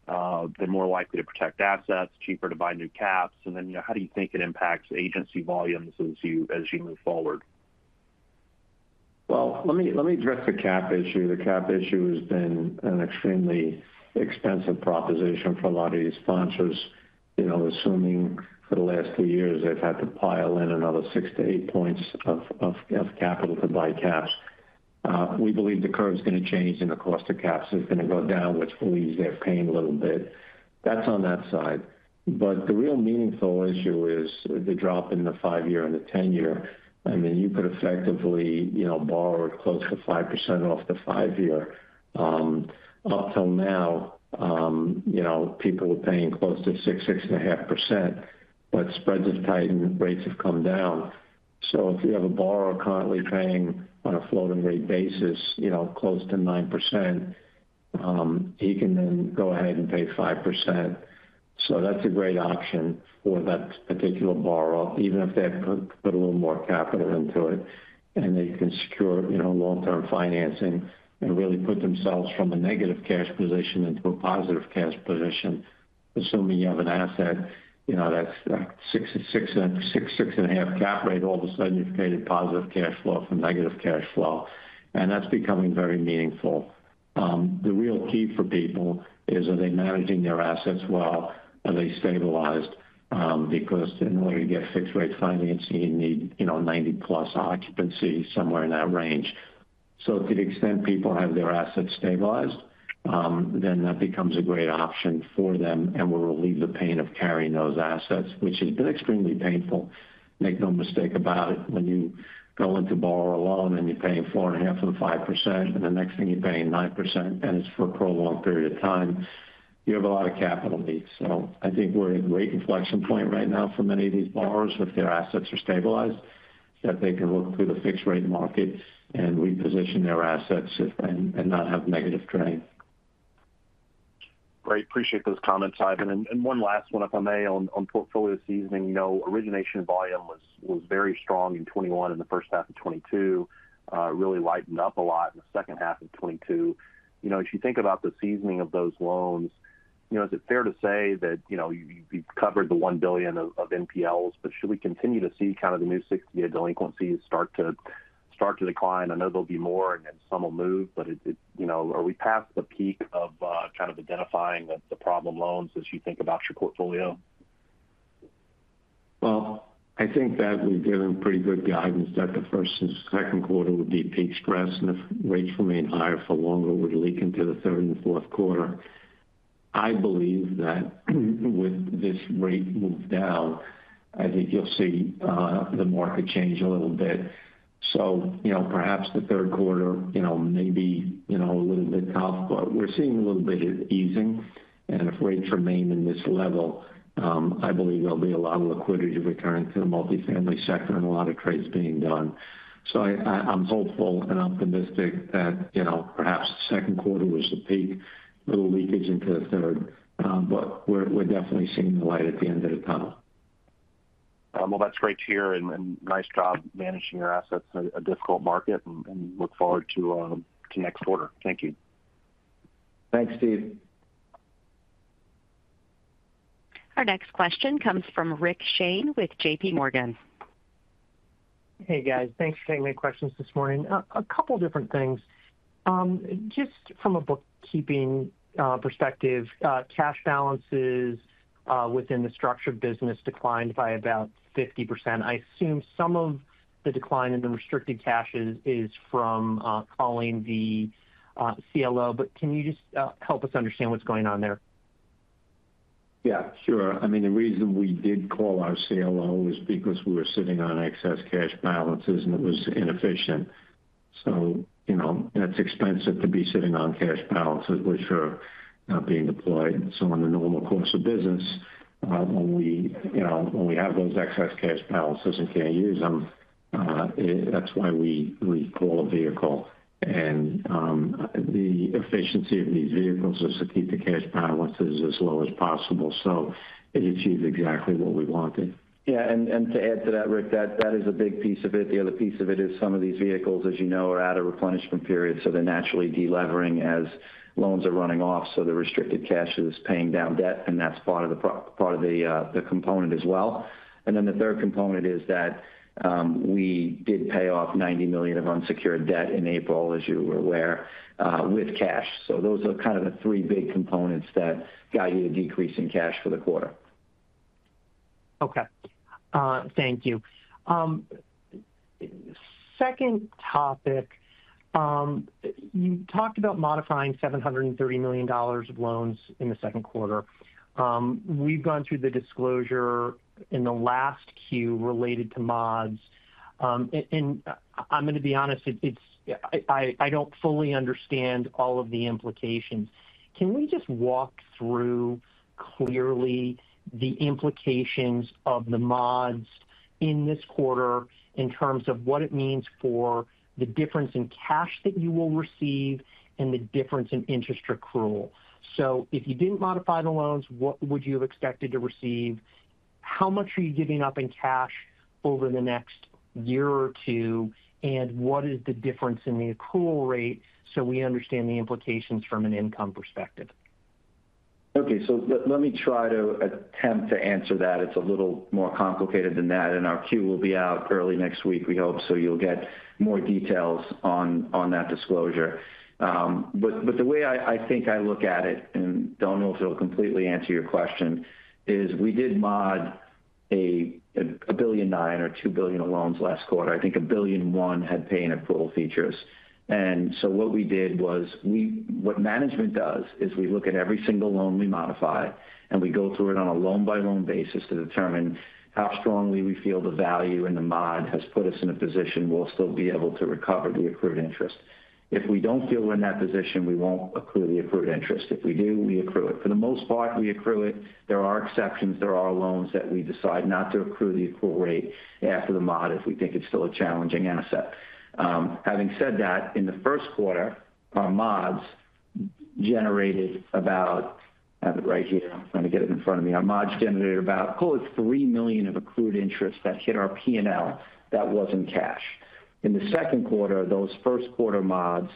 Speaker 5: they're more likely to protect assets, cheaper to buy new caps? And then how do you think it impacts agency volumes as you move forward?
Speaker 3: Well, let me address the cap issue. The cap issue has been an extremely expensive proposition for a lot of these sponsors, assuming for the last two years they've had to pile in another 6-8 points of capital to buy caps. We believe the curve's going to change and the cost of caps is going to go down, which believes they're paying a little bit. That's on that side. But the real meaningful issue is the drop in the 5-year and the 10-year. I mean, you could effectively borrow close to 5% off the 5-year. Up till now, people were paying close to 6%-6.5%, but spreads have tightened, rates have come down. So if you have a borrower currently paying on a floating-rate basis close to 9%, he can then go ahead and pay 5%. So that's a great option for that particular borrower, even if they have put a little more capital into it. And they can secure long-term financing and really put themselves from a negative cash position into a positive cash position, assuming you have an asset that's 6-6.5 cap rate. All of a sudden, you've created positive cash flow from negative cash flow. And that's becoming very meaningful. The real key for people is, are they managing their assets well? Are they stabilized? Because in order to get fixed-rate financing, you need 90+ occupancy somewhere in that range. So to the extent people have their assets stabilized, then that becomes a great option for them and will relieve the pain of carrying those assets, which has been extremely painful. Make no mistake about it. When you go into borrow a loan and you're paying 4.5% or 5%, and the next thing you're paying 9%, and it's for a prolonged period of time, you have a lot of capital needs. So I think we're at a great inflection point right now for many of these borrowers, if their assets are stabilized, that they can look through the fixed-rate market and reposition their assets and not have negative train.
Speaker 5: Great. Appreciate those comments, Ivan. And one last one, if I may, on portfolio seasoning. Origination volume was very strong in 2021 and the first half of 2022, really lightened up a lot in the second half of 2022. If you think about the seasoning of those loans, is it fair to say that you've covered the $1 billion of NPLs, but should we continue to see kind of the new 60-day delinquencies start to decline? I know there'll be more and some will move, but are we past the peak of kind of identifying the problem loans as you think about your portfolio?
Speaker 3: Well, I think that we've given pretty good guidance that the first and second quarter would be peak stress and if rates remain higher for longer, we're looking to the third and fourth quarter. I believe that with this rate move down, I think you'll see the market change a little bit. So perhaps the third quarter may be a little bit tough, but we're seeing a little bit of easing. And if rates remain in this level, I believe there'll be a lot of liquidity returned to the multifamily sector and a lot of trades being done. So I'm hopeful and optimistic that perhaps the second quarter was the peak, a little leakage into the third, but we're definitely seeing the light at the end of the tunnel.
Speaker 5: Well, that's great to hear. And nice job managing your assets in a difficult market and look forward to next quarter. Thank you.
Speaker 3: Thanks, Steve.
Speaker 1: Our next question comes from Rick Shane with JPMorgan.
Speaker 6: Hey, guys. Thanks for taking my questions this morning. A couple of different things. Just from a bookkeeping perspective, cash balances within the structured business declined by about 50%. I assume some of the decline in the restricted cash is from calling the CLO, but can you just help us understand what's going on there?
Speaker 3: Yeah, sure. I mean, the reason we did call our CLO is because we were sitting on excess cash balances and it was inefficient. So that's expensive to be sitting on cash balances which are not being deployed. So on the normal course of business, when we have those excess cash balances and can't use them, that's why we call a vehicle. And the efficiency of these vehicles is to keep the cash balances as low as possible. So it achieves exactly what we wanted.
Speaker 2: Yeah. And to add to that, Rick, that is a big piece of it. The other piece of it is some of these vehicles, as you know, are out of replenishment period, so they're naturally delevering as loans are running off. So the restricted cash is paying down debt, and that's part of the component as well. And then the third component is that we did pay off $90 million of unsecured debt in April, as you were aware, with cash. So those are kind of the three big components that guide you to decrease in cash for the quarter.
Speaker 6: Okay. Thank you. Second topic, you talked about modifying $730 million of loans in the second quarter. We've gone through the disclosure in the last Q related to mods. And I'm going to be honest, I don't fully understand all of the implications. Can we just walk through clearly the implications of the mods in this quarter in terms of what it means for the difference in cash that you will receive and the difference in interest accrual? So if you didn't modify the loans, what would you have expected to receive? How much are you giving up in cash over the next year or two, and what is the difference in the accrual rate so we understand the implications from an income perspective?
Speaker 2: Okay. So let me try to attempt to answer that. It's a little more complicated than that. Our Q will be out early next week, we hope, so you'll get more details on that disclosure. But the way I think I look at it, and don't know if it'll completely answer your question, is we did mod $1.9 billion or $2 billion of loans last quarter. I think $1.1 billion had paying accrual features. What we did was what management does is we look at every single loan we modify, and we go through it on a loan-by-loan basis to determine how strongly we feel the value and the mod has put us in a position we'll still be able to recover the accrued interest. If we don't feel we're in that position, we won't accrue the accrued interest. If we do, we accrue it. For the most part, we accrue it. There are exceptions. There are loans that we decide not to accrue the accrual rate after the mod if we think it's still a challenging asset. Having said that, in the first quarter, our mods generated about, have it right here. I'm trying to get it in front of me. Our mods generated about, call it, $3 million of accrued interest that hit our P&L that wasn't cash. In the second quarter, those first quarter mods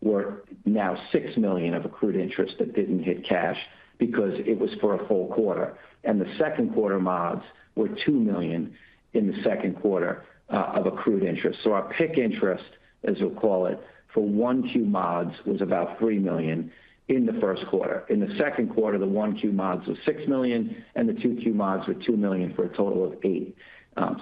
Speaker 2: were now $6 million of accrued interest that didn't hit cash because it was for a full quarter. The second quarter mods were $2 million in the second quarter of accrued interest. So our PIK interest, as we'll call it, for one Q mods was about $3 million in the first quarter. In the second quarter, the one Q mods were $6 million, and the two Q mods were $2 million for a total of $8 million.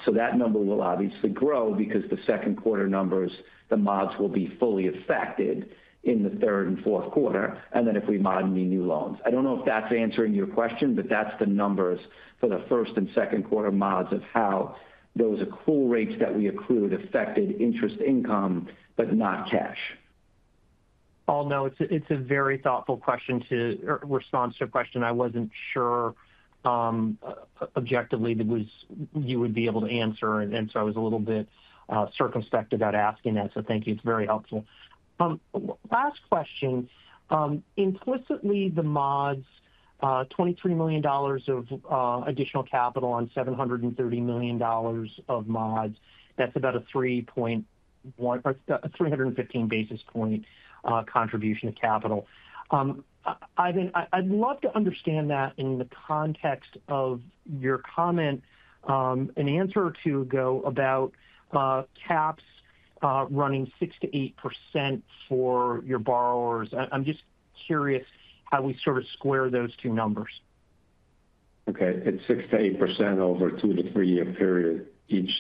Speaker 2: So that number will obviously grow because the second quarter numbers, the mods will be fully affected in the third and fourth quarter. And then if we mod any new loans. I don't know if that's answering your question, but that's the numbers for the first and second quarter mods of how those accrual rates that we accrued affected interest income, but not cash.
Speaker 6: Paul, no, it's a very thoughtful question to respond to a question I wasn't sure objectively you would be able to answer. So I was a little bit circumspect about asking that, so thank you. It's very helpful. Last question. Implicitly, the mods, $23 million of additional capital on $730 million of mods, that's about a 315 basis point contribution of capital. Ivan, I'd love to understand that in the context of your comment, an answer or two ago about caps running 6%-8% for your borrowers. I'm just curious how we sort of square those two numbers.
Speaker 3: Okay. It's 6%-8% over a 2-3 year period. Each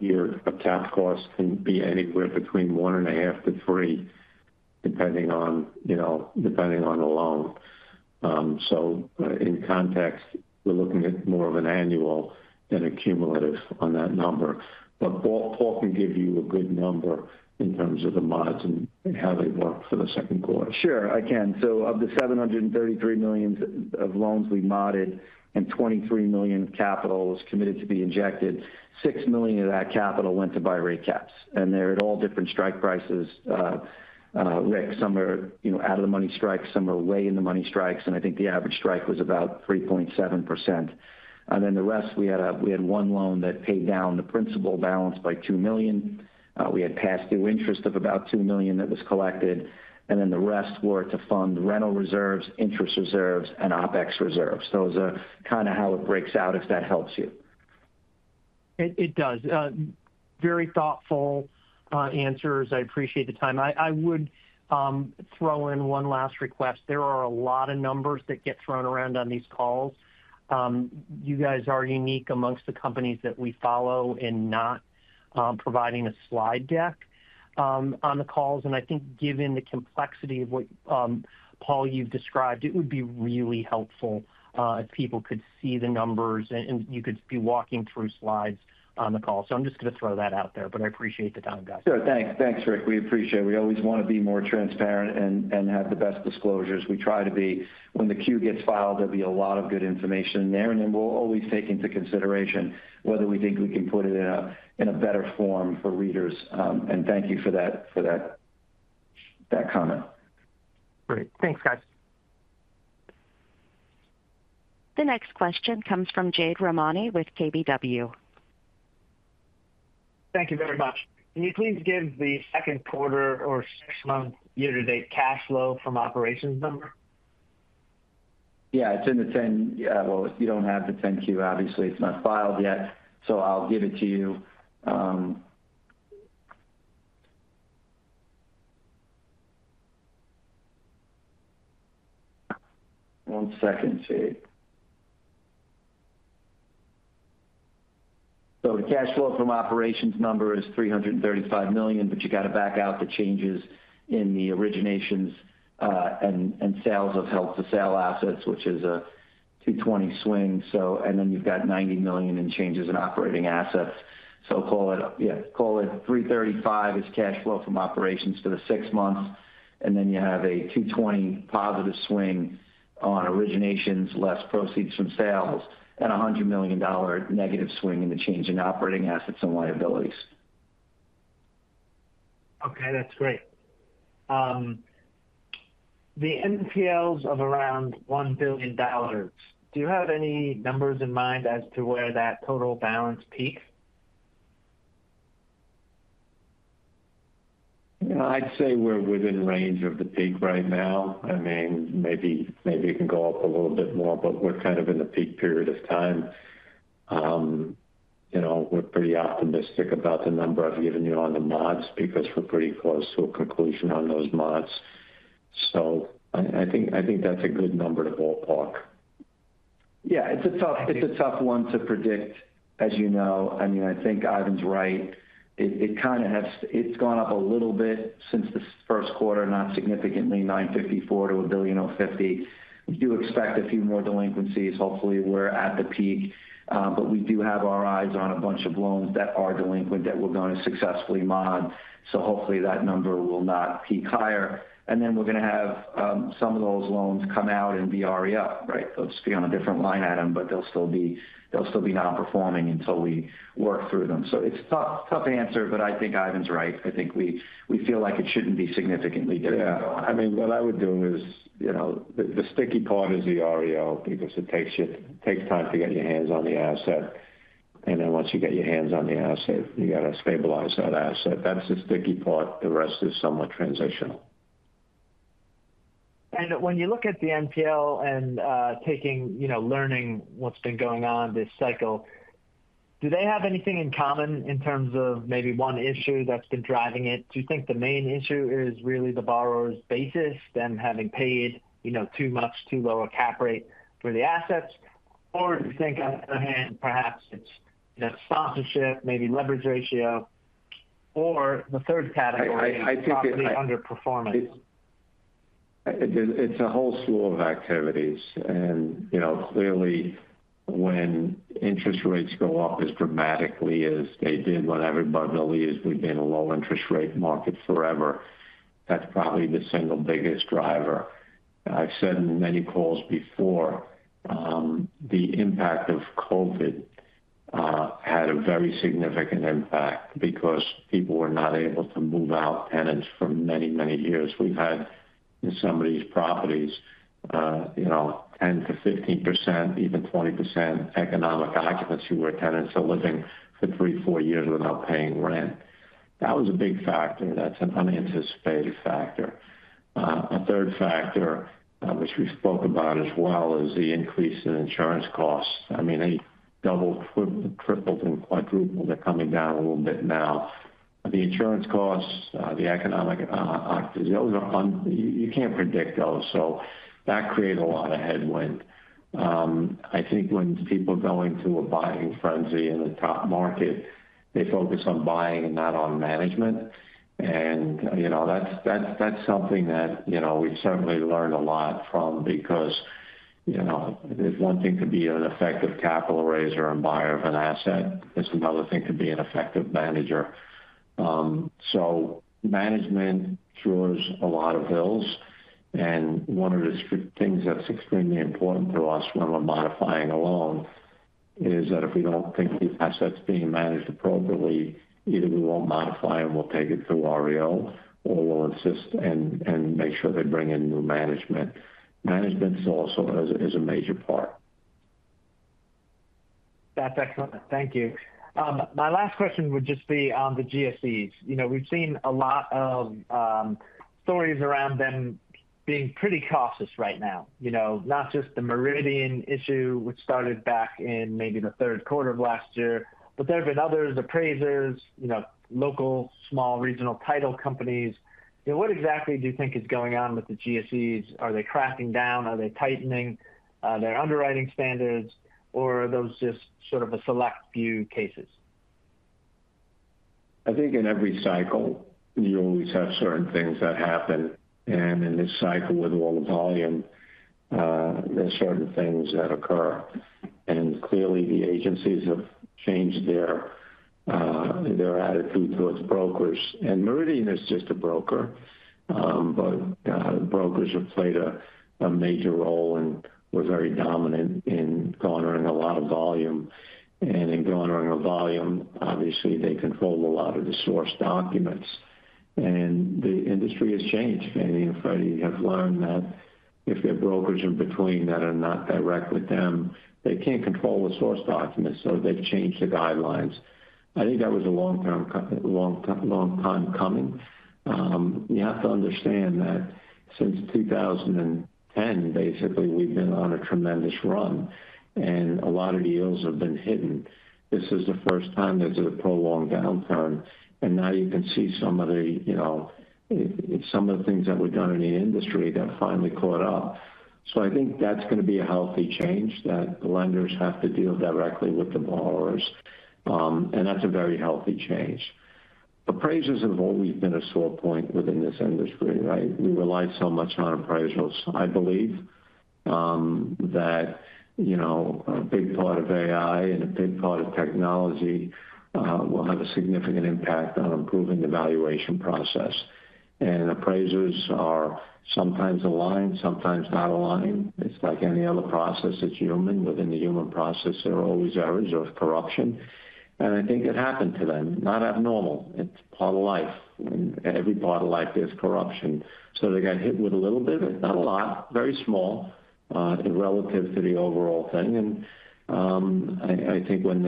Speaker 3: year, a cap cost can be anywhere between 1.5-3, depending on the loan. So in context, we're looking at more of an annual than a cumulative on that number. But Paul can give you a good number in terms of the mods and how they work for the second quarter.
Speaker 2: Sure, I can. So of the $733 million of loans we modded and $23 million of capital was committed to be injected, $6 million of that capital went to buy rate caps. And they're at all different strike prices. Rick, some are out-of-the-money strikes, some are way in the money strikes, and I think the average strike was about 3.7%. And then the rest, we had one loan that paid down the principal balance by $2 million. We had past due interest of about $2 million that was collected. And then the rest were to fund rental reserves, interest reserves, and OPEX reserves. So it was kind of how it breaks out, if that helps you.
Speaker 6: It does. Very thoughtful answers. I appreciate the time. I would throw in one last request. There are a lot of numbers that get thrown around on these calls. You guys are unique among the companies that we follow in not providing a slide deck on the calls. And I think given the complexity of what Paul, you've described, it would be really helpful if people could see the numbers and you could be walking through slides on the call. So I'm just going to throw that out there, but I appreciate the time, guys.
Speaker 2: Sure. Thanks. Thanks, Rick. We appreciate it. We always want to be more transparent and have the best disclosures. We try to be. When the Q gets filed, there'll be a lot of good information in there, and then we'll always take into consideration whether we think we can put it in a better form for readers. And thank you for that comment.
Speaker 6: Great. Thanks, guys.
Speaker 1: The next question comes from Jade Rahmani with KBW.
Speaker 7: Thank you very much. Can you please give the second quarter or six-month year-to-date cash flow from operations number?
Speaker 3: Yeah, it's in the 10-Q. Well, if you don't have the 10-Q, obviously, it's not filed yet. So I'll give it to you. One second, Jade. So the cash flow from number is $335 million, but you got to back out the changes in the originations and sales of held-for-sale assets, which is a $220 million swing. And then you've got $90 million in changes in operating assets. So call it, yeah, call it $335 million is cash flow from operations for the six months. And then you have a $220 million positive swing on originations, less proceeds from sales, and a $100 million negative swing in the change in operating assets and liabilities.
Speaker 7: Okay. That's great. The NPLs of around $1 billion. Do you have any numbers in mind as to where that total balance peaked?
Speaker 3: I'd say we're within range of the peak right now. I mean, maybe it can go up a little bit more, but we're kind of in the peak period of time. We're pretty optimistic about the number I've given you on the mods because we're pretty close to a conclusion on those mods. So I think that's a good number to ballpark.
Speaker 2: Yeah. It's a tough one to predict, as you know. I mean, I think Ivan's right. It kind of has. It's gone up a little bit since the first quarter, not significantly, $954 million-$1.050 billion. We do expect a few more delinquencies. Hopefully, we're at the peak, but we do have our eyes on a bunch of loans that are delinquent that we're going to successfully mod. So hopefully, that number will not peak higher. And then we're going to have some of those loans come out and be REO, right? They'll just be on a different line item, but they'll still be non-performing until we work through them. So it's a tough answer, but I think Ivan's right. I think we feel like it shouldn't be significantly difficult.
Speaker 3: Yeah. I mean, what I would do is the sticky part is the REO because it takes time to get your hands on the asset. And then once you get your hands on the asset, you got to stabilize that asset. That's the sticky part. The rest is somewhat transitional.
Speaker 7: And when you look at the NPL and learning what's been going on this cycle, do they have anything in common in terms of maybe one issue that's been driving it? Do you think the main issue is really the borrower's basis and having paid too much, too low a cap rate for the assets? Or do you think, on the other hand, perhaps it's sponsorship, maybe leverage ratio, or the third category is probably underperformance?
Speaker 3: It's a whole slew of activities. And clearly, when interest rates go up as dramatically as they did when everybody believes we've been in a low-interest rate market forever, that's probably the single biggest driver. I've said in many calls before, the impact of COVID had a very significant impact because people were not able to move out tenants for many, many years. We've had in some of these properties, 10%-15%, even 20% economic occupancy where tenants are living for 3-4 years without paying rent. That was a big factor. That's an unanticipated factor. A third factor, which we spoke about as well, is the increase in insurance costs. I mean, they doubled, tripled, and quadrupled. They're coming down a little bit now. The insurance costs, the economic occupancy, you can't predict those. So that created a lot of headwind. I think when people go into a buying frenzy in the top market, they focus on buying and not on management. And that's something that we've certainly learned a lot from because there's one thing to be an effective capital raiser and buyer of an asset. There's another thing to be an effective manager. So management cures a lot of ills. One of the things that's extremely important to us when we're modifying a loan is that if we don't think the asset's being managed appropriately, either we won't modify and we'll take it through REO, or we'll insist and make sure they bring in new management. Management is also a major part.
Speaker 7: That's excellent. Thank you. My last question would just be on the GSEs. We've seen a lot of stories around them being pretty cautious right now. Not just the Meridian issue, which started back in maybe the third quarter of last year, but there have been others, appraisers, local small regional title companies. What exactly do you think is going on with the GSEs? Are they cracking down? Are they tightening their underwriting standards? Or are those just sort of a select few cases?
Speaker 3: I think in every cycle, you always have certain things that happen. In this cycle with all the volume, there are certain things that occur. Clearly, the agencies have changed their attitude towards brokers. Meridian is just a broker, but brokers have played a major role and were very dominant in garnering a lot of volume. In garnering a volume, obviously, they control a lot of the source documents. The industry has changed. Andy and Freddie have learned that if there are brokers in between that are not direct with them, they can't control the source documents. So they've changed the guidelines. I think that was a long time coming. You have to understand that since 2010, basically, we've been on a tremendous run. A lot of deals have been hidden. This is the first time there's a prolonged downturn. And now you can see some of the things that were done in the industry that finally caught up. So I think that's going to be a healthy change that the lenders have to deal directly with the borrowers. And that's a very healthy change. Appraisals have always been a sore point within this industry, right? We rely so much on appraisals. I believe that a big part of AI and a big part of technology will have a significant impact on improving the valuation process. And appraisals are sometimes aligned, sometimes not aligned. It's like any other process that's human. Within the human process, there are always errors or corruption. And I think it happened to them. Not abnormal. It's part of life. Every part of life is corruption. So they got hit with a little bit, but not a lot, very small, relative to the overall thing. I think when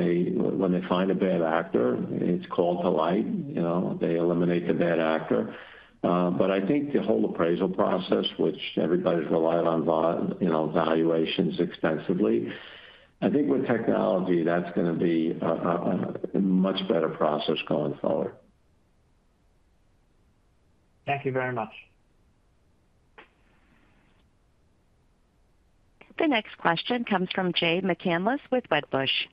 Speaker 3: they find a bad actor, it's brought to light. They eliminate the bad actor. But I think the whole appraisal process, which everybody's relied on valuations extensively, I think with technology, that's going to be a much better process going forward.
Speaker 7: Thank you very much.
Speaker 1: The next question comes from Jay McCanless with Wedbush.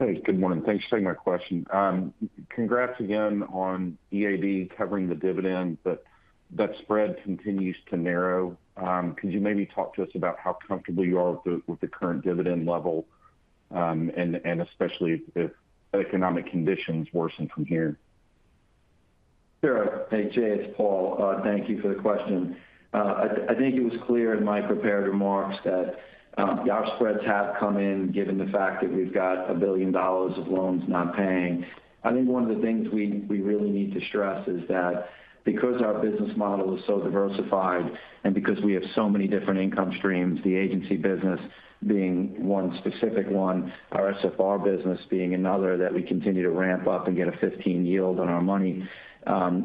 Speaker 8: Hey, good morning. Thanks for taking my question. Congrats again on EAB covering the dividend, but that spread continues to narrow. Could you maybe talk to us about how comfortable you are with the current dividend level and especially if economic conditions worsen from here?
Speaker 2: Sure. Hey, Jay, it's Paul. Thank you for the question. I think it was clear in my prepared remarks that our spreads have come in given the fact that we've got $1 billion of loans not paying. I think one of the things we really need to stress is that because our business model is so diversified and because we have so many different income streams, the agency business being one specific one, our SFR business being another that we continue to ramp up and get a 15% yield on our money,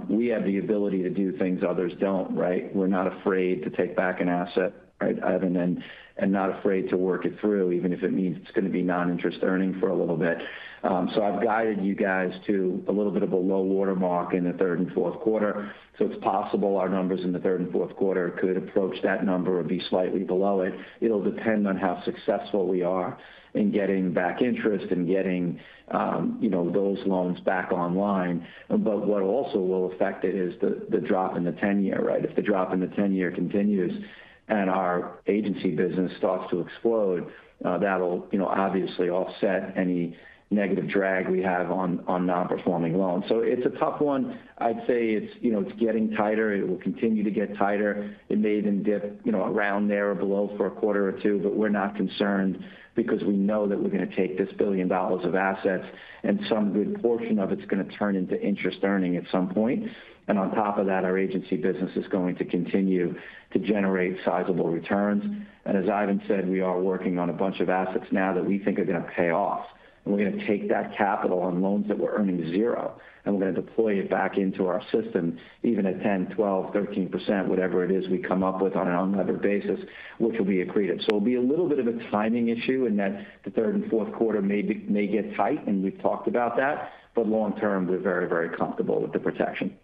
Speaker 2: we have the ability to do things others don't, right? We're not afraid to take back an asset, right, Ivan, and not afraid to work it through, even if it means it's going to be non-interest earning for a little bit. So I've guided you guys to a little bit of a low watermark in the third and fourth quarter. So it's possible our numbers in the third and fourth quarter could approach that number or be slightly below it. It'll depend on how successful we are in getting back interest and getting those loans back online. But what also will affect it is the drop in the 10-year, right? If the drop in the 10-year continues and our agency business starts to explode, that'll obviously offset any negative drag we have on non-performing loans. So it's a tough one. I'd say it's getting tighter. It will continue to get tighter. It may even dip around there or below for a quarter or two, but we're not concerned because we know that we're going to take this $1 billion of assets, and some good portion of it's going to turn into interest earning at some point. And on top of that, our agency business is going to continue to generate sizable returns. As Ivan said, we are working on a bunch of assets now that we think are going to pay off. And we're going to take that capital on loans that were earning zero, and we're going to deploy it back into our system, even at 10%, 12%, 13%, whatever it is we come up with on an unlevered basis, which will be accretive. So it'll be a little bit of a timing issue in that the third and fourth quarter may get tight, and we've talked about that, but long term, we're very, very comfortable with the protection.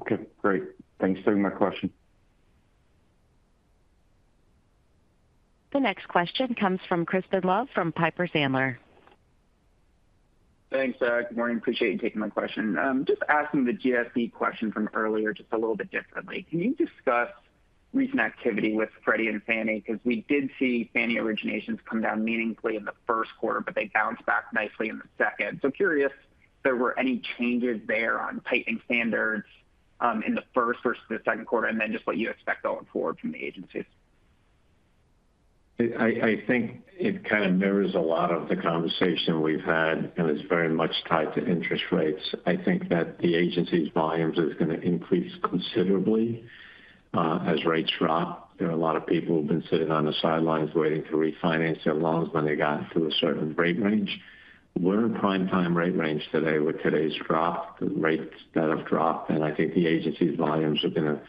Speaker 8: Okay. Great. Thanks for taking my question.
Speaker 1: The next question comes from Crispin Love from Piper Sandler.
Speaker 9: Thanks, [Zach]. Good morning. Appreciate you taking my question. Just asking the GSE question from earlier just a little bit differently. Can you discuss recent activity with Freddie and Fannie? Because we did see Fannie originations come down meaningfully in the first quarter, but they bounced back nicely in the second. So curious if there were any changes there on tightening standards in the first versus the second quarter, and then just what you expect going forward from the agencies.
Speaker 3: I think it kind of mirrors a lot of the conversation we've had, and it's very much tied to interest rates. I think that the agency's volumes are going to increase considerably as rates drop. There are a lot of people who've been sitting on the sidelines waiting to refinance their loans when they got to a certain rate range. We're in prime-time rate range today with today's drop, the rates that have dropped, and I think the agency's volumes are going to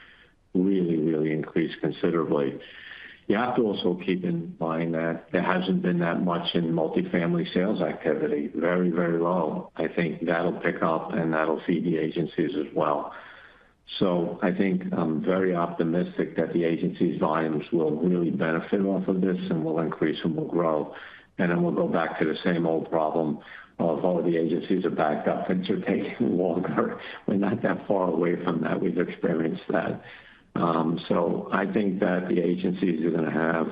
Speaker 3: really, really increase considerably. You have to also keep in mind that there hasn't been that much in multifamily sales activity. Very, very low. I think that'll pick up, and that'll feed the agencies as well. So I think I'm very optimistic that the agency's volumes will really benefit off of this and will increase and will grow. And then we'll go back to the same old problem of, "Oh, the agencies are backed up," and they're taking longer. We're not that far away from that. We've experienced that. So I think that the agencies are going to have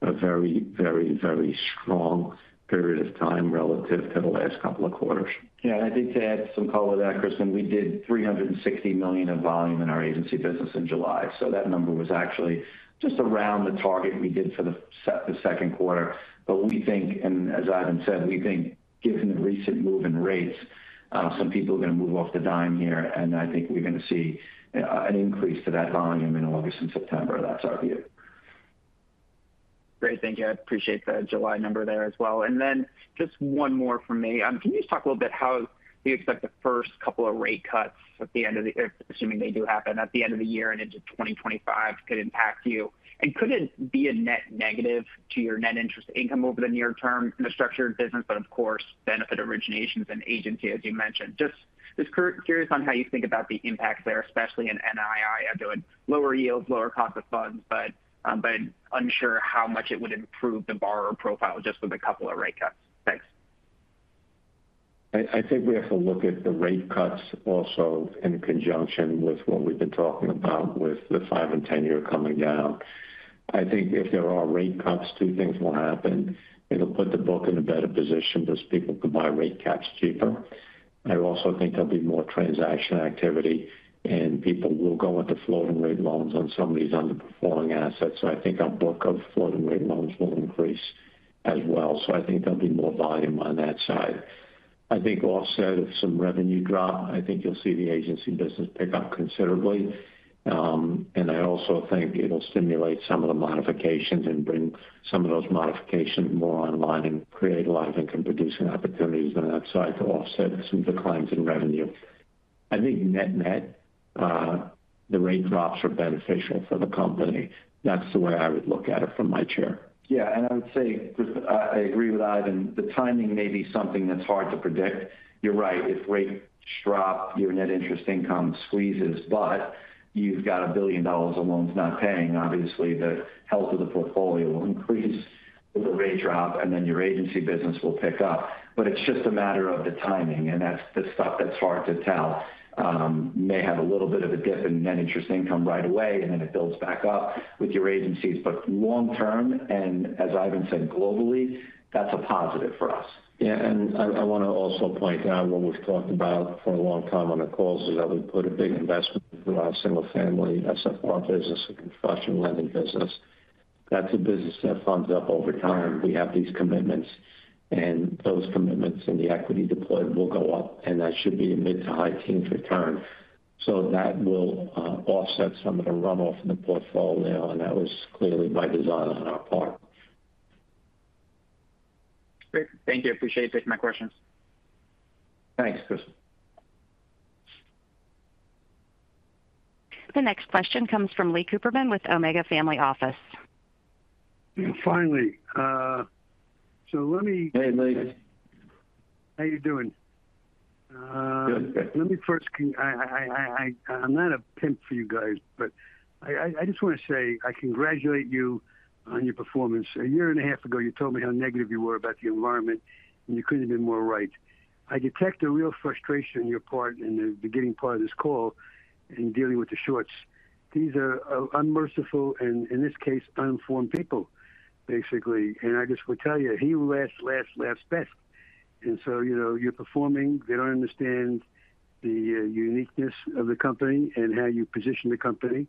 Speaker 3: a very, very, very strong period of time relative to the last couple of quarters.
Speaker 2: Yeah. And I did say I had some call with that, Crispin. When we did $360 million of volume in our agency business in July, so that number was actually just around the target we did for the second quarter. But we think, and as Ivan said, we think given the recent move in rates, some people are going to move off the dime here. And I think we're going to see an increase to that volume in August and September. That's our view.
Speaker 9: Great. Thank you. I appreciate the July number there as well. And then just one more for me. Can you just talk a little bit how you expect the first couple of rate cuts at the end of the, assuming they do happen at the end of the year and into 2025, could impact you? And could it be a net negative to your net interest income over the near term in a structured business, but of course, benefit originations and agency, as you mentioned? Just curious on how you think about the impact there, especially in NII. I'm doing lower yields, lower cost of funds, but unsure how much it would improve the borrower profile just with a couple of rate cuts. Thanks.
Speaker 3: I think we have to look at the rate cuts also in conjunction with what we've been talking about with the 5 and 10-year coming down. I think if there are rate cuts, two things will happen. It'll put the book in a better position because people can buy rate caps cheaper. I also think there'll be more transaction activity, and people will go into floating rate loans on some of these underperforming assets. So I think our book of floating rate loans will increase as well. So I think there'll be more volume on that side. I think offset of some revenue drop, I think you'll see the agency business pick up considerably. I also think it'll stimulate some of the modifications and bring some of those modifications more online and create a lot of income-producing opportunities on that side to offset some declines in revenue. I think net-net, the rate drops are beneficial for the company. That's the way I would look at it from my chair.
Speaker 2: Yeah. And I would say, Crispin, I agree with Ivan. The timing may be something that's hard to predict. You're right. If rates drop, your net interest income squeezes, but you've got $1 billion of loans not paying, obviously, the health of the portfolio will increase with a rate drop, and then your agency business will pick up. But it's just a matter of the timing. And that's the stuff that's hard to tell. You may have a little bit of a dip in net interest income right away, and then it builds back up with your agencies. But long term, and as Ivan said, globally, that's a positive for us.
Speaker 3: Yeah. And I want to also point out what we've talked about for a long time on the calls is that we put a big investment through our single-family SFR business, a construction lending business. That's a business that funds up over time. We have these commitments, and those commitments and the equity deployed will go up, and that should be a mid to high-teens return. So that will offset some of the runoff in the portfolio, and that was clearly by design on our part.
Speaker 9: Great. Thank you. Appreciate you taking my questions.
Speaker 3: Thanks, Crispin.
Speaker 1: The next question comes from Lee Cooperman with Omega Family Office.
Speaker 10: Finally. So let me.
Speaker 3: Hey, Lee.
Speaker 10: How you doing?
Speaker 3: Good. Good.
Speaker 10: Let me first. I'm not a pimp for you guys, but I just want to say I congratulate you on your performance. A year and a half ago, you told me how negative you were about the environment, and you couldn't have been more right. I detect a real frustration on your part in the beginning part of this call and dealing with the shorts. These are unmerciful and, in this case, uninformed people, basically. And I just will tell you, he lasts, lasts, lasts best. And so you're performing. They don't understand the uniqueness of the company and how you position the company.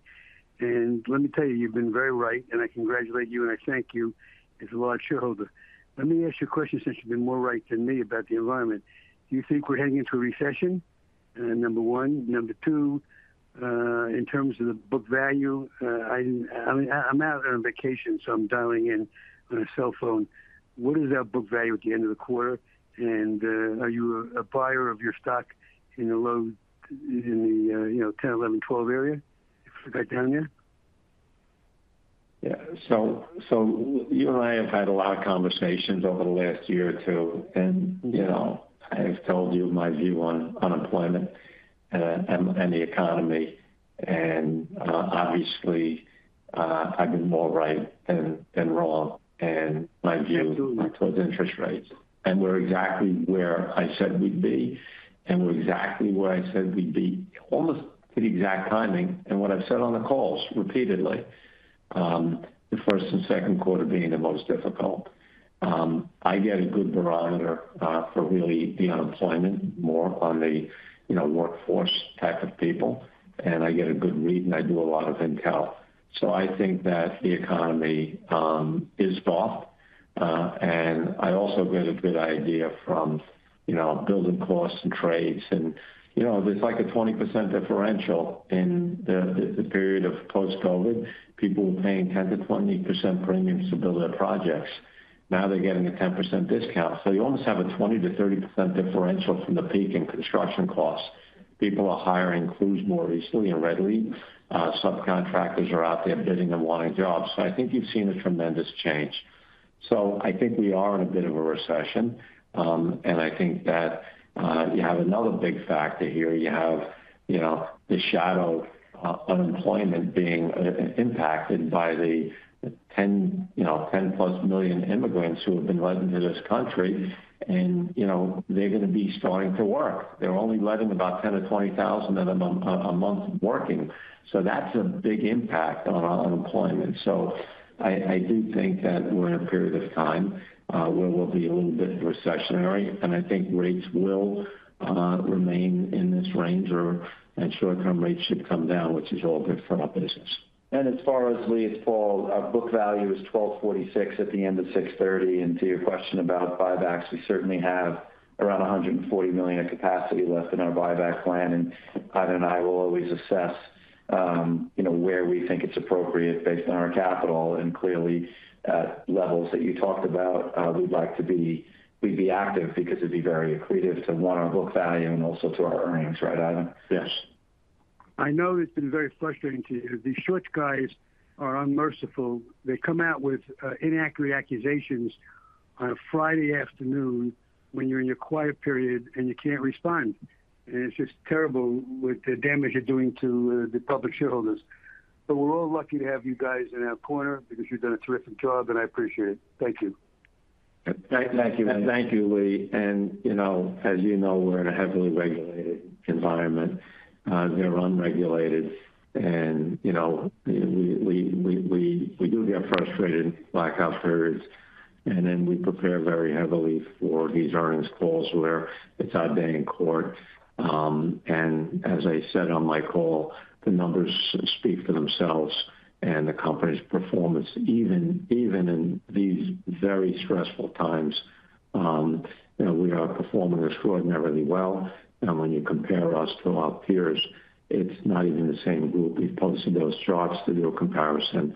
Speaker 10: And let me tell you, you've been very right, and I congratulate you, and I thank you, as a large shareholder. Let me ask you a question since you've been more right than me about the environment. Do you think we're heading into a recession? Number one. Number two, in terms of the book value, I'm out on vacation, so I'm dialing in on a cell phone. What is our book value at the end of the quarter? And are you a buyer of your stock in the low, in the $10, $11, $12 area? Right down there?
Speaker 3: Yeah. So you and I have had a lot of conversations over the last year or two, and I have told you my view on unemployment and the economy. And obviously, I've been more right than wrong. And my view towards interest rates. And we're exactly where I said we'd be, and we're exactly where I said we'd be almost to the exact timing. And what I've said on the calls repeatedly, the first and second quarter being the most difficult. I get a good barometer for really the unemployment more on the workforce type of people, and I get a good read, and I do a lot of intel. So I think that the economy is off. And I also get a good idea from building costs and trades. And there's like a 20% differential in the period of post-COVID. People were paying 10%-20% premiums to build their projects. Now they're getting a 10% discount. So you almost have a 20%-30% differential from the peak in construction costs. People are hiring crews more easily and readily. Subcontractors are out there bidding and wanting jobs. So I think you've seen a tremendous change. So I think we are in a bit of a recession, and I think that you have another big factor here. You have the shadow of unemployment being impacted by the 10+ million immigrants who have been letting into this country, and they're going to be starting to work. They're only letting about 10-20 thousand of them a month working. So that's a big impact on our unemployment. So I do think that we're in a period of time where we'll be a little bit recessionary, and I think rates will remain in this range, or short-term rates should come down, which is all good for our business.
Speaker 2: And as far as, Lee, as Paul, our book value is $12.46 at the end of 6/30. To your question about buybacks, we certainly have around $140 million of capacity left in our buyback plan. Ivan and I will always assess where we think it's appropriate based on our capital. And clearly, at levels that you talked about, we'd like to be active because it'd be very accretive to our book value and also to our earnings, right, Ivan?
Speaker 3: Yes.
Speaker 10: I know it's been very frustrating to you. The short guys are unmerciful. They come out with inaccurate accusations on a Friday afternoon when you're in your quiet period and you can't respond. And it's just terrible with the damage you're doing to the public shareholders. But we're all lucky to have you guys in our corner because you've done a terrific job, and I appreciate it. Thank you.
Speaker 3: Thank you, Lee. And as you know, we're in a heavily regulated environment. They're unregulated. And we do get frustrated, black-out periods. And then we prepare very heavily for these earnings calls where it's out there in court. As I said on my call, the numbers speak for themselves and the company's performance. Even in these very stressful times, we are performing extraordinarily well. When you compare us to our peers, it's not even the same group. We've posted those charts to do a comparison.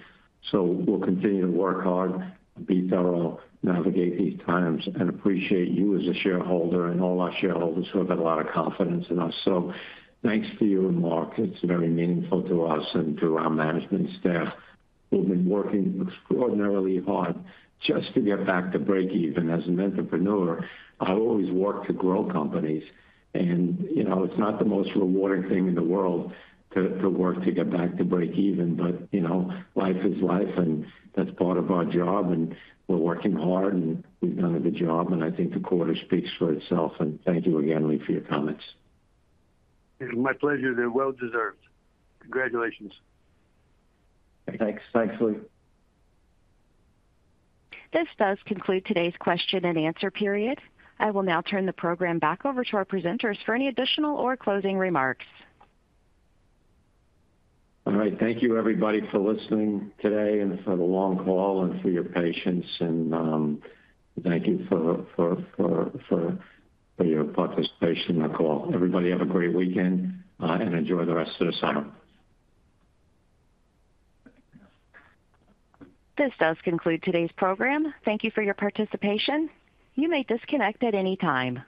Speaker 3: We'll continue to work hard, be thorough, navigate these times, and appreciate you as a shareholder and all our shareholders who have had a lot of confidence in us. Thanks to you and Mark. It's very meaningful to us and to our management staff. We've been working extraordinarily hard just to get back to break even as an entrepreneur. I've always worked to grow companies, and it's not the most rewarding thing in the world to work to get back to break even, but life is life, and that's part of our job. And we're working hard, and we've done a good job, and I think the quarter speaks for itself. And thank you again, Lee, for your comments.
Speaker 10: It's my pleasure. They're well-deserved. Congratulations.
Speaker 3: Thanks. Thanks, Lee.
Speaker 1: This does conclude today's question and answer period. I will now turn the program back over to our presenters for any additional or closing remarks.
Speaker 3: All right. Thank you, everybody, for listening today and for the long call and for your patience. And thank you for your participation in the call. Everybody have a great weekend and enjoy the rest of the summer.
Speaker 1: This does conclude today's program. Thank you for your participation. You may disconnect at any time.